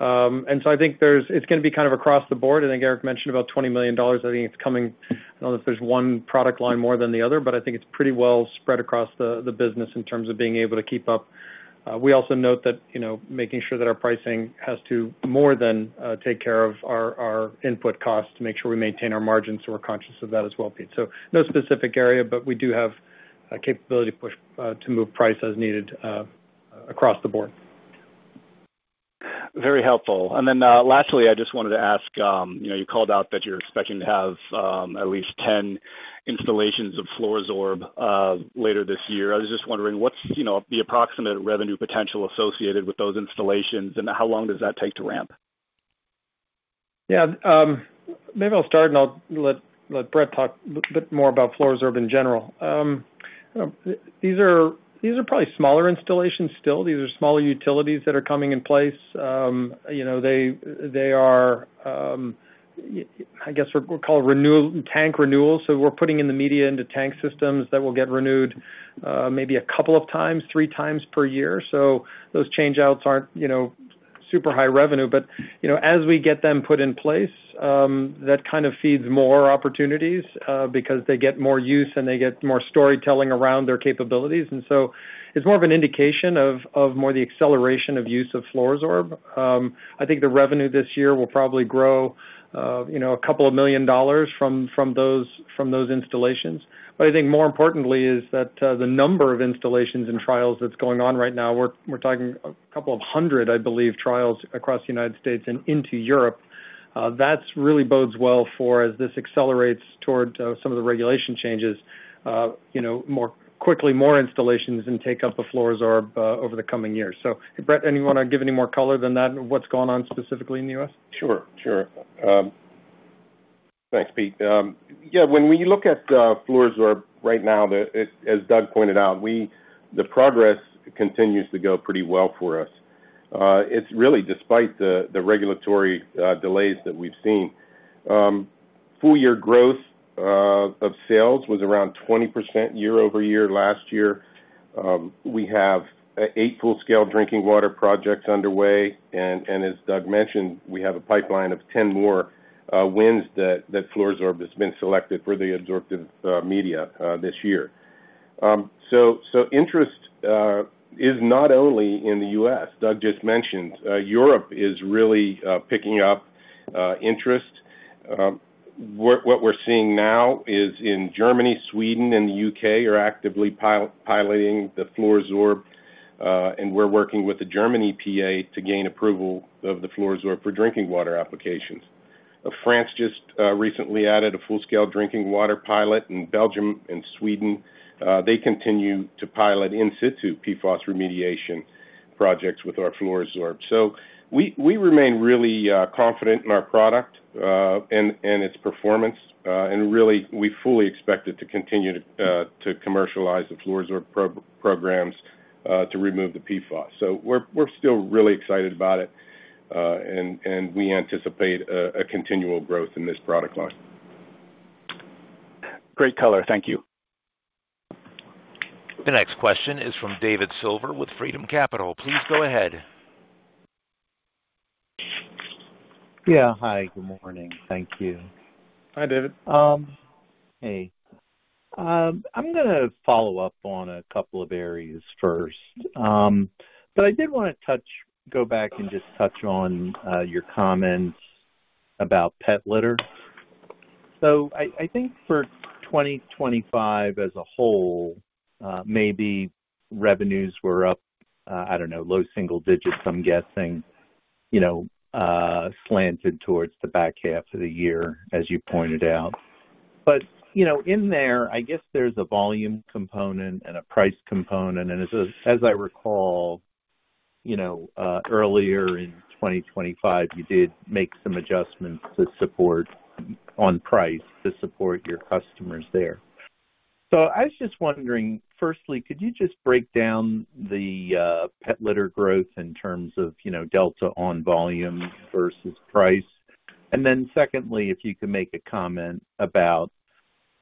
And so I think there's... It's gonna be kind of across the board. I think Erik mentioned about $20 million. I think it's coming, I don't know if there's one product line more than the other, but I think it's pretty well spread across the, the business in terms of being able to keep up. We also note that, you know, making sure that our pricing has to more than take care of our input costs to make sure we maintain our margins, so we're conscious of that as well, Pete. So no specific area, but we do have a capability push to move price as needed across the board. Very helpful. And then, lastly, I just wanted to ask, you know, you called out that you're expecting to have, at least 10 installations of FLUORO-SORB, later this year. I was just wondering, what's, you know, the approximate revenue potential associated with those installations, and how long does that take to ramp? Yeah, maybe I'll start, and I'll let Brett talk a bit more about FLUORO-SORB in general. These are, these are probably smaller installations still. These are smaller utilities that are coming in place. You know, they, they are, I guess, we'll call it renew tank renewals. So we're putting in the media into tank systems that will get renewed, maybe a couple of times, three times per year. So those change outs aren't, you know, super high revenue, but, you know, as we get them put in place, that kind of feeds more opportunities, because they get more use, and they get more storytelling around their capabilities. And so it's more of an indication of, of more the acceleration of use of FLUORO-SORB. I think the revenue this year will probably grow, you know, a couple of million dollars from those installations. But I think more importantly is that, the number of installations and trials that's going on right now, we're talking a couple of hundred, I believe, trials across the United States and into Europe. That's really bodes well for, as this accelerates toward, some of the regulation changes, you know, more quickly, more installations and take up of FLUORO-SORB, over the coming years. So, Brett, anyone want to give any more color than that, what's going on specifically in the U.S.? Sure, sure. Thanks, Pete. Yeah, when we look at FLUORO-SORB right now, as Doug pointed out, the progress continues to go pretty well for us. It's really despite the regulatory delays that we've seen. Full-year growth of sales was around 20% year-over-year, last year. We have eight full-scale drinking water projects underway, and as Doug mentioned, we have a pipeline of 10 more wins that FLUORO-SORB has been selected for the adsorptive media this year. So, interest is not only in the U.S. Doug just mentioned, Europe is really picking up interest. What we're seeing now is in Germany, Sweden and the UK are actively piloting the FLUORO-SORB, and we're working with the German EPA to gain approval of the FLUORO-SORB for drinking water applications. France just recently added a full-scale drinking water pilot, and Belgium and Sweden they continue to pilot in situ PFAS remediation projects with our FLUORO-SORB. So we remain really confident in our product and its performance, and really, we fully expect it to continue to commercialize the FLUORO-SORB programs to remove the PFAS. So we're still really excited about it, and we anticipate a continual growth in this product line. Great color. Thank you. The next question is from David Silver with Freedom Capital Markets. Please go ahead. Yeah. Hi, good morning. Thank you. Hi, David. Hey. I'm gonna follow up on a couple of areas first. But I did wanna go back and just touch on your comments about pet litter. So I think for 2025 as a whole, maybe revenues were up, I don't know, low single digits, I'm guessing, you know, slanted towards the back half of the year, as you pointed out. But, you know, in there, I guess there's a volume component and a price component, and as I recall, you know, earlier in 2025, you did make some adjustments to support, on price, to support your customers there. So I was just wondering, firstly, could you just break down the pet litter growth in terms of, you know, delta on volume versus price? And then secondly, if you could make a comment about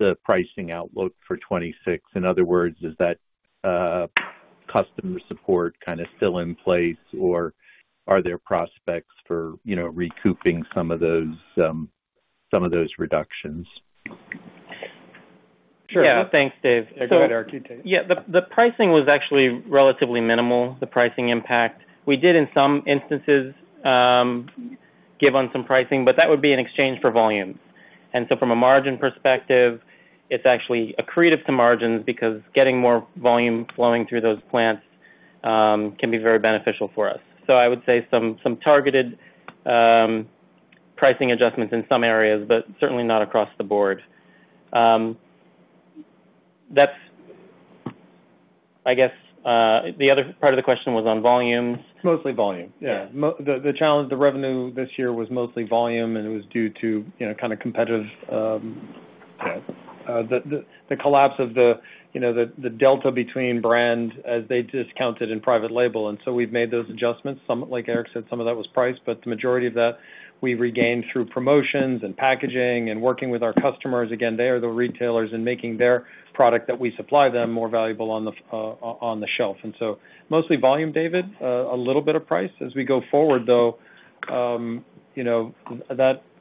the pricing outlook for 2026. In other words, is that customer support kind of still in place, or are there prospects for, you know, recouping some of those reductions? Sure. Yeah. Thanks, Dave. Go ahead, Brett. Yeah, the pricing was actually relatively minimal, the pricing impact. We did in some instances, give on some pricing, but that would be in exchange for volume. And so from a margin perspective, it's actually accretive to margins because getting more volume flowing through those plants can be very beneficial for us. So I would say some, some targeted pricing adjustments in some areas, but certainly not across the board. That's, I guess, the other part of the question was on volumes? Mostly volume. Yeah. The challenge, the revenue this year was mostly volume, and it was due to, you know, kind of competitive, the collapse of the, you know, the delta between brands as they discounted in private label. And so we've made those adjustments. Some, like Erik said, some of that was price, but the majority of that we regained through promotions and packaging and working with our customers. Again, they are the retailers in making their product that we supply them more valuable on the, on the shelf. And so mostly volume, David, a little bit of price. As we go forward, though, you know,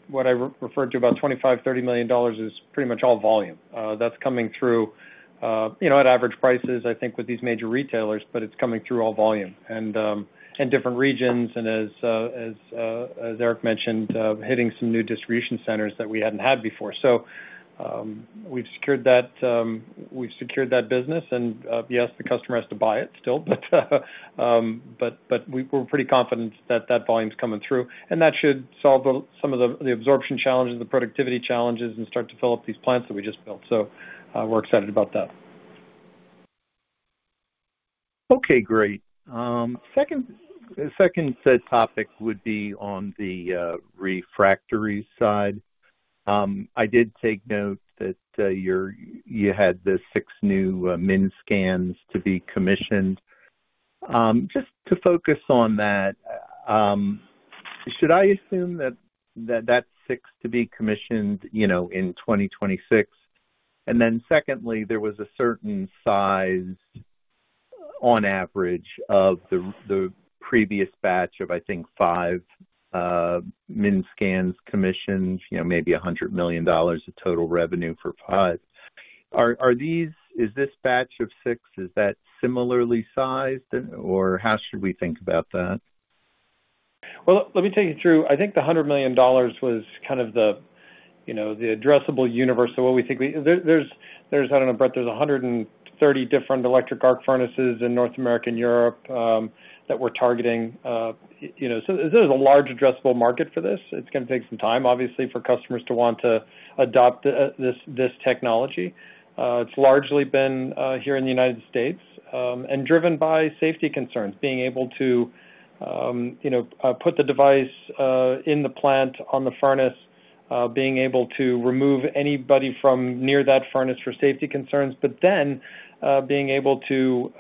what I referred to about $25-$30 million is pretty much all volume. That's coming through, you know, at average prices, I think, with these major retailers, but it's coming through all volume and different regions, and as Erik mentioned, hitting some new distribution centers that we hadn't had before. So, we've secured that, we've secured that business, and yes, the customer has to buy it still, but we're pretty confident that that volume's coming through, and that should solve some of the absorption challenges, the productivity challenges, and start to fill up these plants that we just built. So, we're excited about that. Okay, great. Second, the second said topic would be on the refractory side. I did take note that you had the six new MINSCANs to be commissioned. Just to focus on that, should I assume that that's six to be commissioned, you know, in 2026? And then secondly, there was a certain size on average of the previous batch of, I think, five MINSCANs commissioned, you know, maybe $100 million of total revenue for five. Are these, is this batch of six, is that similarly sized, or how should we think about that? Well, let me take you through. I think the $100 million was kind of the, you know, the addressable universe of what we think we... There's, I don't know, Brett, there's 130 different electric arc furnaces in North America and Europe that we're targeting. You know, so there's a large addressable market for this. It's gonna take some time, obviously, for customers to want to adopt this technology. It's largely been here in the United States and driven by safety concerns, being able to, you know, put the device in the plant, on the furnace, being able to remove anybody from near that furnace for safety concerns, but then being able to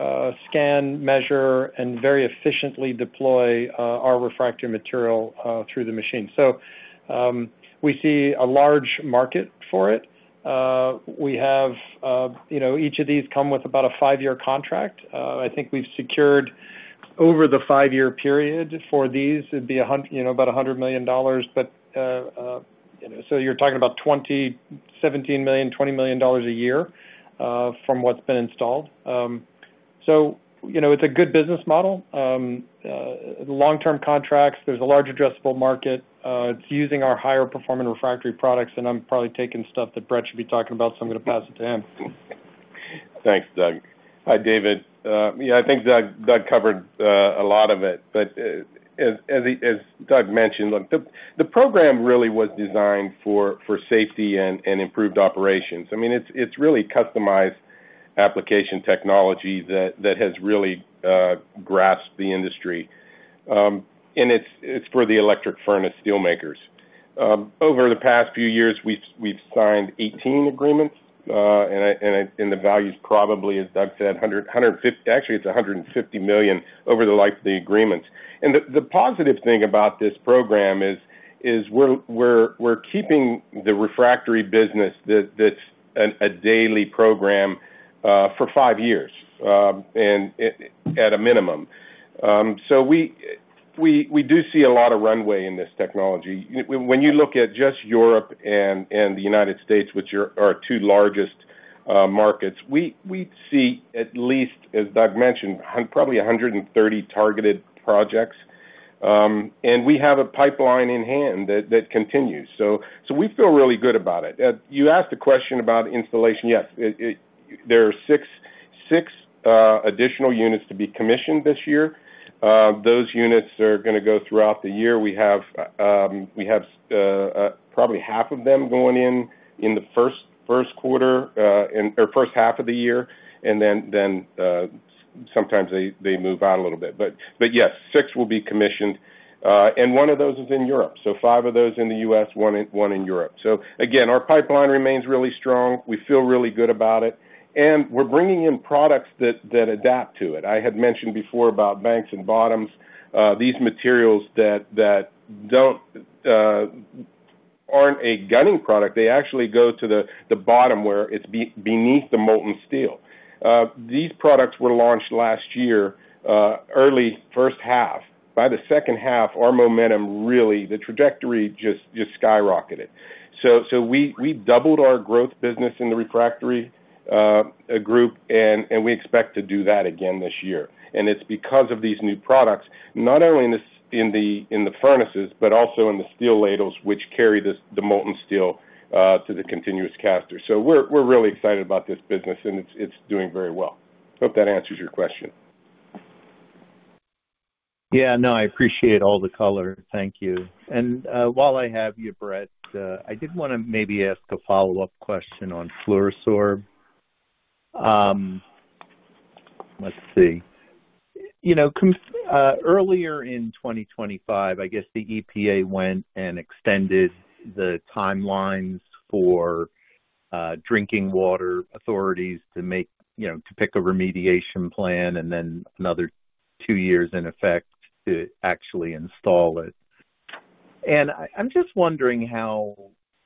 scan, measure, and very efficiently deploy our refractory material through the machine. So, we see a large market for it. We have, you know, each of these come with about a five-year contract. I think we've secured over the five-year period for these, it'd be a... you know, about $100 million. But, so you're talking about $17 million, $20 million a year, from what's been installed. So, you know, it's a good business model. Long-term contracts, there's a large addressable market. It's using our higher performing refractory products, and I'm probably taking stuff that Brett should be talking about, so I'm gonna pass it to him. Thanks, Doug. Hi, David. Yeah, I think Doug covered a lot of it. But as Doug mentioned, look, the program really was designed for safety and improved operations. I mean, it's really customized application technology that has really grasped the industry. And it's for the electric furnace steelmakers. Over the past few years, we've signed 18 agreements, and the value is probably, as Doug said, $150 million. Actually, it's $150 million over the life of the agreements. And the positive thing about this program is we're keeping the refractory business that's a daily program for five years and at a minimum. So we do see a lot of runway in this technology. When you look at just Europe and the United States, which are our two largest markets, we see at least, as Doug mentioned, probably 130 targeted projects, and we have a pipeline in hand that continues. So we feel really good about it. You asked a question about installation. Yes, there are six additional units to be commissioned this year. Those units are gonna go throughout the year. We have probably half of them going in the first quarter or first half of the year, and then sometimes they move out a little bit. But yes, six will be commissioned, and one of those is in Europe, so five of those in the U.S., one in Europe. So again, our pipeline remains really strong. We feel really good about it, and we're bringing in products that adapt to it. I had mentioned before about banks and bottoms. These materials that aren't a gunning product, they actually go to the bottom where it's beneath the molten steel. These products were launched last year, early first half. By the second half, our momentum, really, the trajectory just skyrocketed. So we doubled our growth business in the refractory group, and we expect to do that again this year. And it's because of these new products, not only in the furnaces, but also in the steel ladles, which carry the molten steel to the continuous caster. So we're really excited about this business, and it's doing very well. Hope that answers your question. Yeah, no, I appreciate all the color. Thank you. And while I have you, Brett, I did wanna maybe ask a follow-up question on FLUORO-SORB. Let's see. You know, earlier in 2025, I guess the EPA went and extended the timelines for drinking water authorities to make, you know, to pick a remediation plan, and then another two years in effect to actually install it. And I, I'm just wondering how,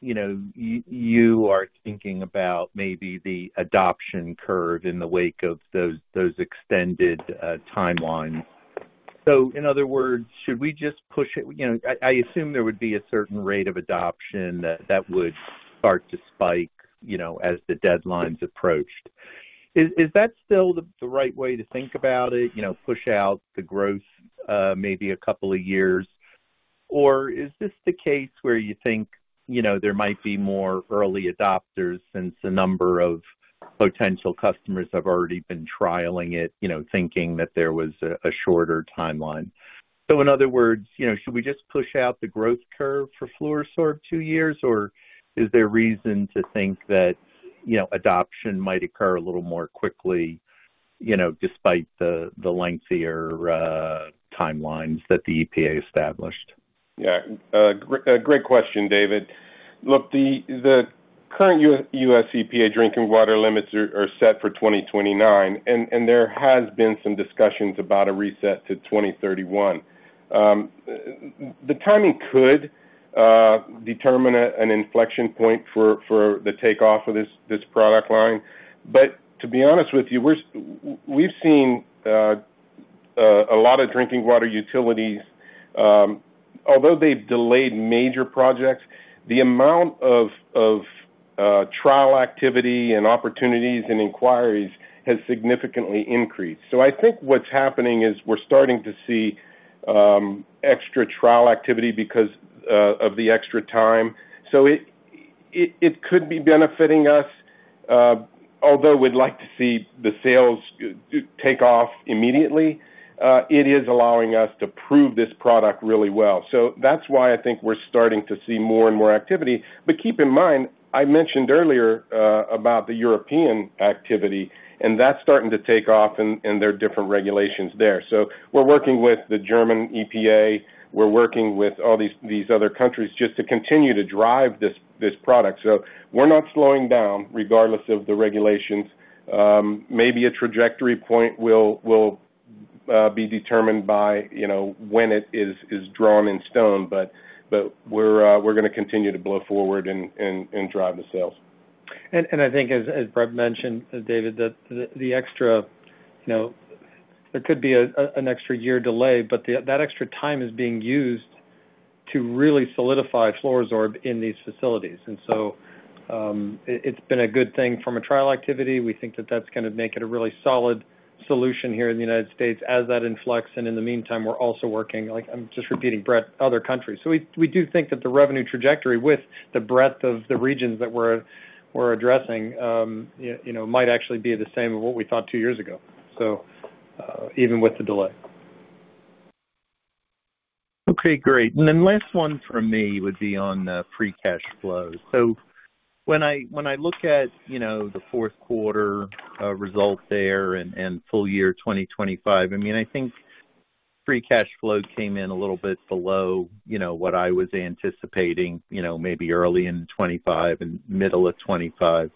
you know, you are thinking about maybe the adoption curve in the wake of those, those extended timelines. So in other words, should we just push it... You know, I, I assume there would be a certain rate of adoption that that would start to spike, you know, as the deadlines approached. Is, is that still the, the right way to think about it? You know, push out the growth, maybe a couple of years. Or is this the case where you think, you know, there might be more early adopters since a number of potential customers have already been trialing it, you know, thinking that there was a shorter timeline? So in other words, you know, should we just push out the growth curve for FLUORO-SORB two years, or is there reason to think that, you know, adoption might occur a little more quickly, you know, despite the lengthier timelines that the EPA established? Yeah. Great question, David. Look, the current U.S. EPA drinking water limits are set for 2029, and there has been some discussions about a reset to 2031. The timing could determine an inflection point for the takeoff of this product line. But to be honest with you, we've seen a lot of drinking water utilities, although they've delayed major projects, the amount of trial activity and opportunities and inquiries has significantly increased. So I think what's happening is we're starting to see extra trial activity because of the extra time. So it could be benefiting us, although we'd like to see the sales take off immediately, it is allowing us to prove this product really well. So that's why I think we're starting to see more and more activity. But keep in mind, I mentioned earlier, about the European activity, and that's starting to take off, and there are different regulations there. So we're working with the German EPA, we're working with all these other countries just to continue to drive this product. So we're not slowing down regardless of the regulations. Maybe a trajectory point will be determined by, you know, when it is drawn in stone, but we're gonna continue to blow forward and drive the sales. I think as Brett mentioned, David, that the extra, you know, there could be an extra year delay, but that extra time is being used to really solidify FLUORO-SORB in these facilities. And so, it's been a good thing from a trial activity. We think that that's gonna make it a really solid solution here in the United States as that influx, and in the meantime, we're also working, like I'm just repeating Brett, other countries. So we do think that the revenue trajectory with the breadth of the regions that we're addressing, you know, might actually be the same as what we thought two years ago, so even with the delay. Okay, great. And then last one from me would be on free cash flows. So when I look at, you know, the fourth quarter results there and full year 2025, I mean, I think free cash flow came in a little bit below, you know, what I was anticipating, you know, maybe early in 2025 and middle of 2025.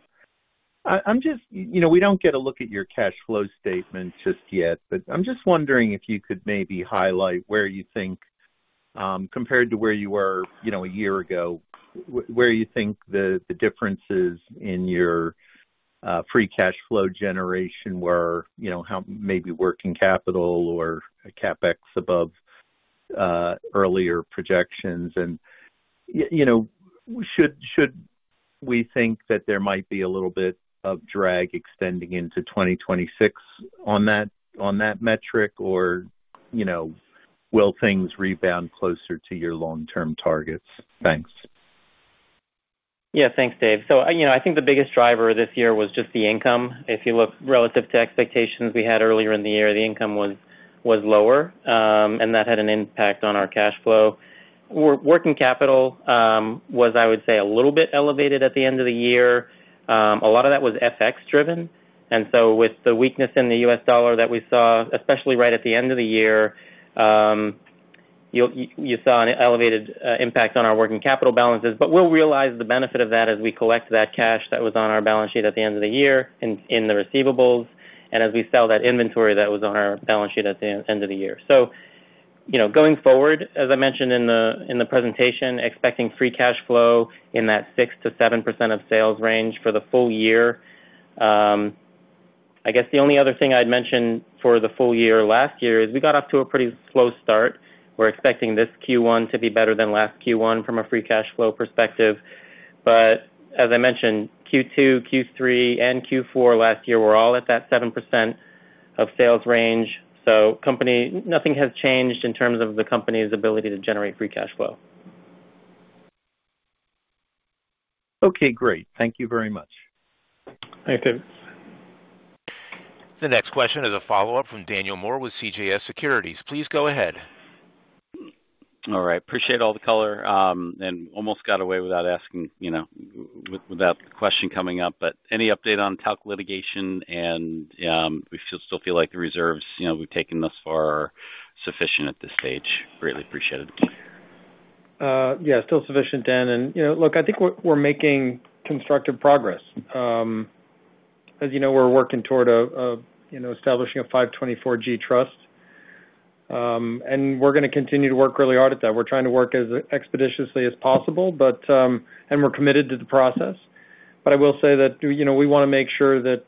I'm just... You know, we don't get a look at your cash flow statement just yet, but I'm just wondering if you could maybe highlight where you think, compared to where you were, you know, a year ago, where you think the differences in your free cash flow generation were, you know, how maybe working capital or CapEx above earlier projections. You know, should we think that there might be a little bit of drag extending into 2026 on that, on that metric, or, you know, will things rebound closer to your long-term targets? Thanks. Yeah. Thanks, Dave. So, you know, I think the biggest driver this year was just the income. If you look relative to expectations we had earlier in the year, the income was lower, and that had an impact on our cash flow. Working capital was, I would say, a little bit elevated at the end of the year. A lot of that was FX driven, and so with the weakness in the US dollar that we saw, especially right at the end of the year, you saw an elevated impact on our working capital balances. But we'll realize the benefit of that as we collect that cash that was on our balance sheet at the end of the year in the receivables, and as we sell that inventory that was on our balance sheet at the end of the year. You know, going forward, as I mentioned in the presentation, expecting free cash flow in that 6%-7% of sales range for the full year. I guess the only other thing I'd mention for the full year last year is we got off to a pretty slow start. We're expecting this Q1 to be better than last Q1 from a free cash flow perspective. But as I mentioned, Q2, Q3, and Q4 last year were all at that 7% of sales range. So nothing has changed in terms of the company's ability to generate free cash flow. Okay, great. Thank you very much. Thank you. The next question is a follow-up from Daniel Moore with CJS Securities. Please go ahead. All right. Appreciate all the color, and almost got away without asking, you know, without the question coming up. But any update on talc litigation, and we still feel like the reserves, you know, we've taken thus far are sufficient at this stage? Greatly appreciate it. Yeah, still sufficient, Dan, and, you know, look, I think we're making constructive progress. As you know, we're working toward establishing a 524(g) trust. And we're gonna continue to work really hard at that. We're trying to work as expeditiously as possible, but... And we're committed to the process. But I will say that, you know, we wanna make sure that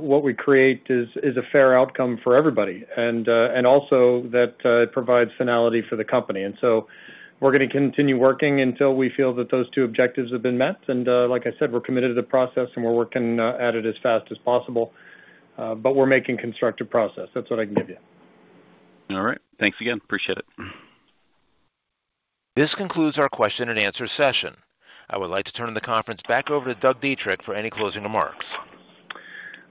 what we create is a fair outcome for everybody, and also that it provides finality for the company. And so we're gonna continue working until we feel that those two objectives have been met. And, like I said, we're committed to the process, and we're working at it as fast as possible, but we're making constructive progress. That's what I can give you. All right. Thanks again. Appreciate it. This concludes our question and answer session. I would like to turn the conference back over to Doug Dietrich for any closing remarks.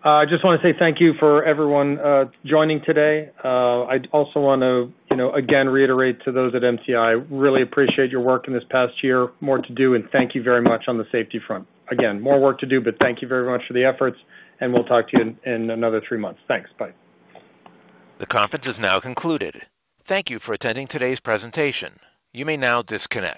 I just wanna say thank you for everyone joining today. I'd also want to, you know, again, reiterate to those at MTI, really appreciate your work in this past year. More to do, and thank you very much on the safety front. Again, more work to do, but thank you very much for the efforts, and we'll talk to you in another three months. Thanks. Bye. The conference is now concluded. Thank you for attending today's presentation. You may now disconnect.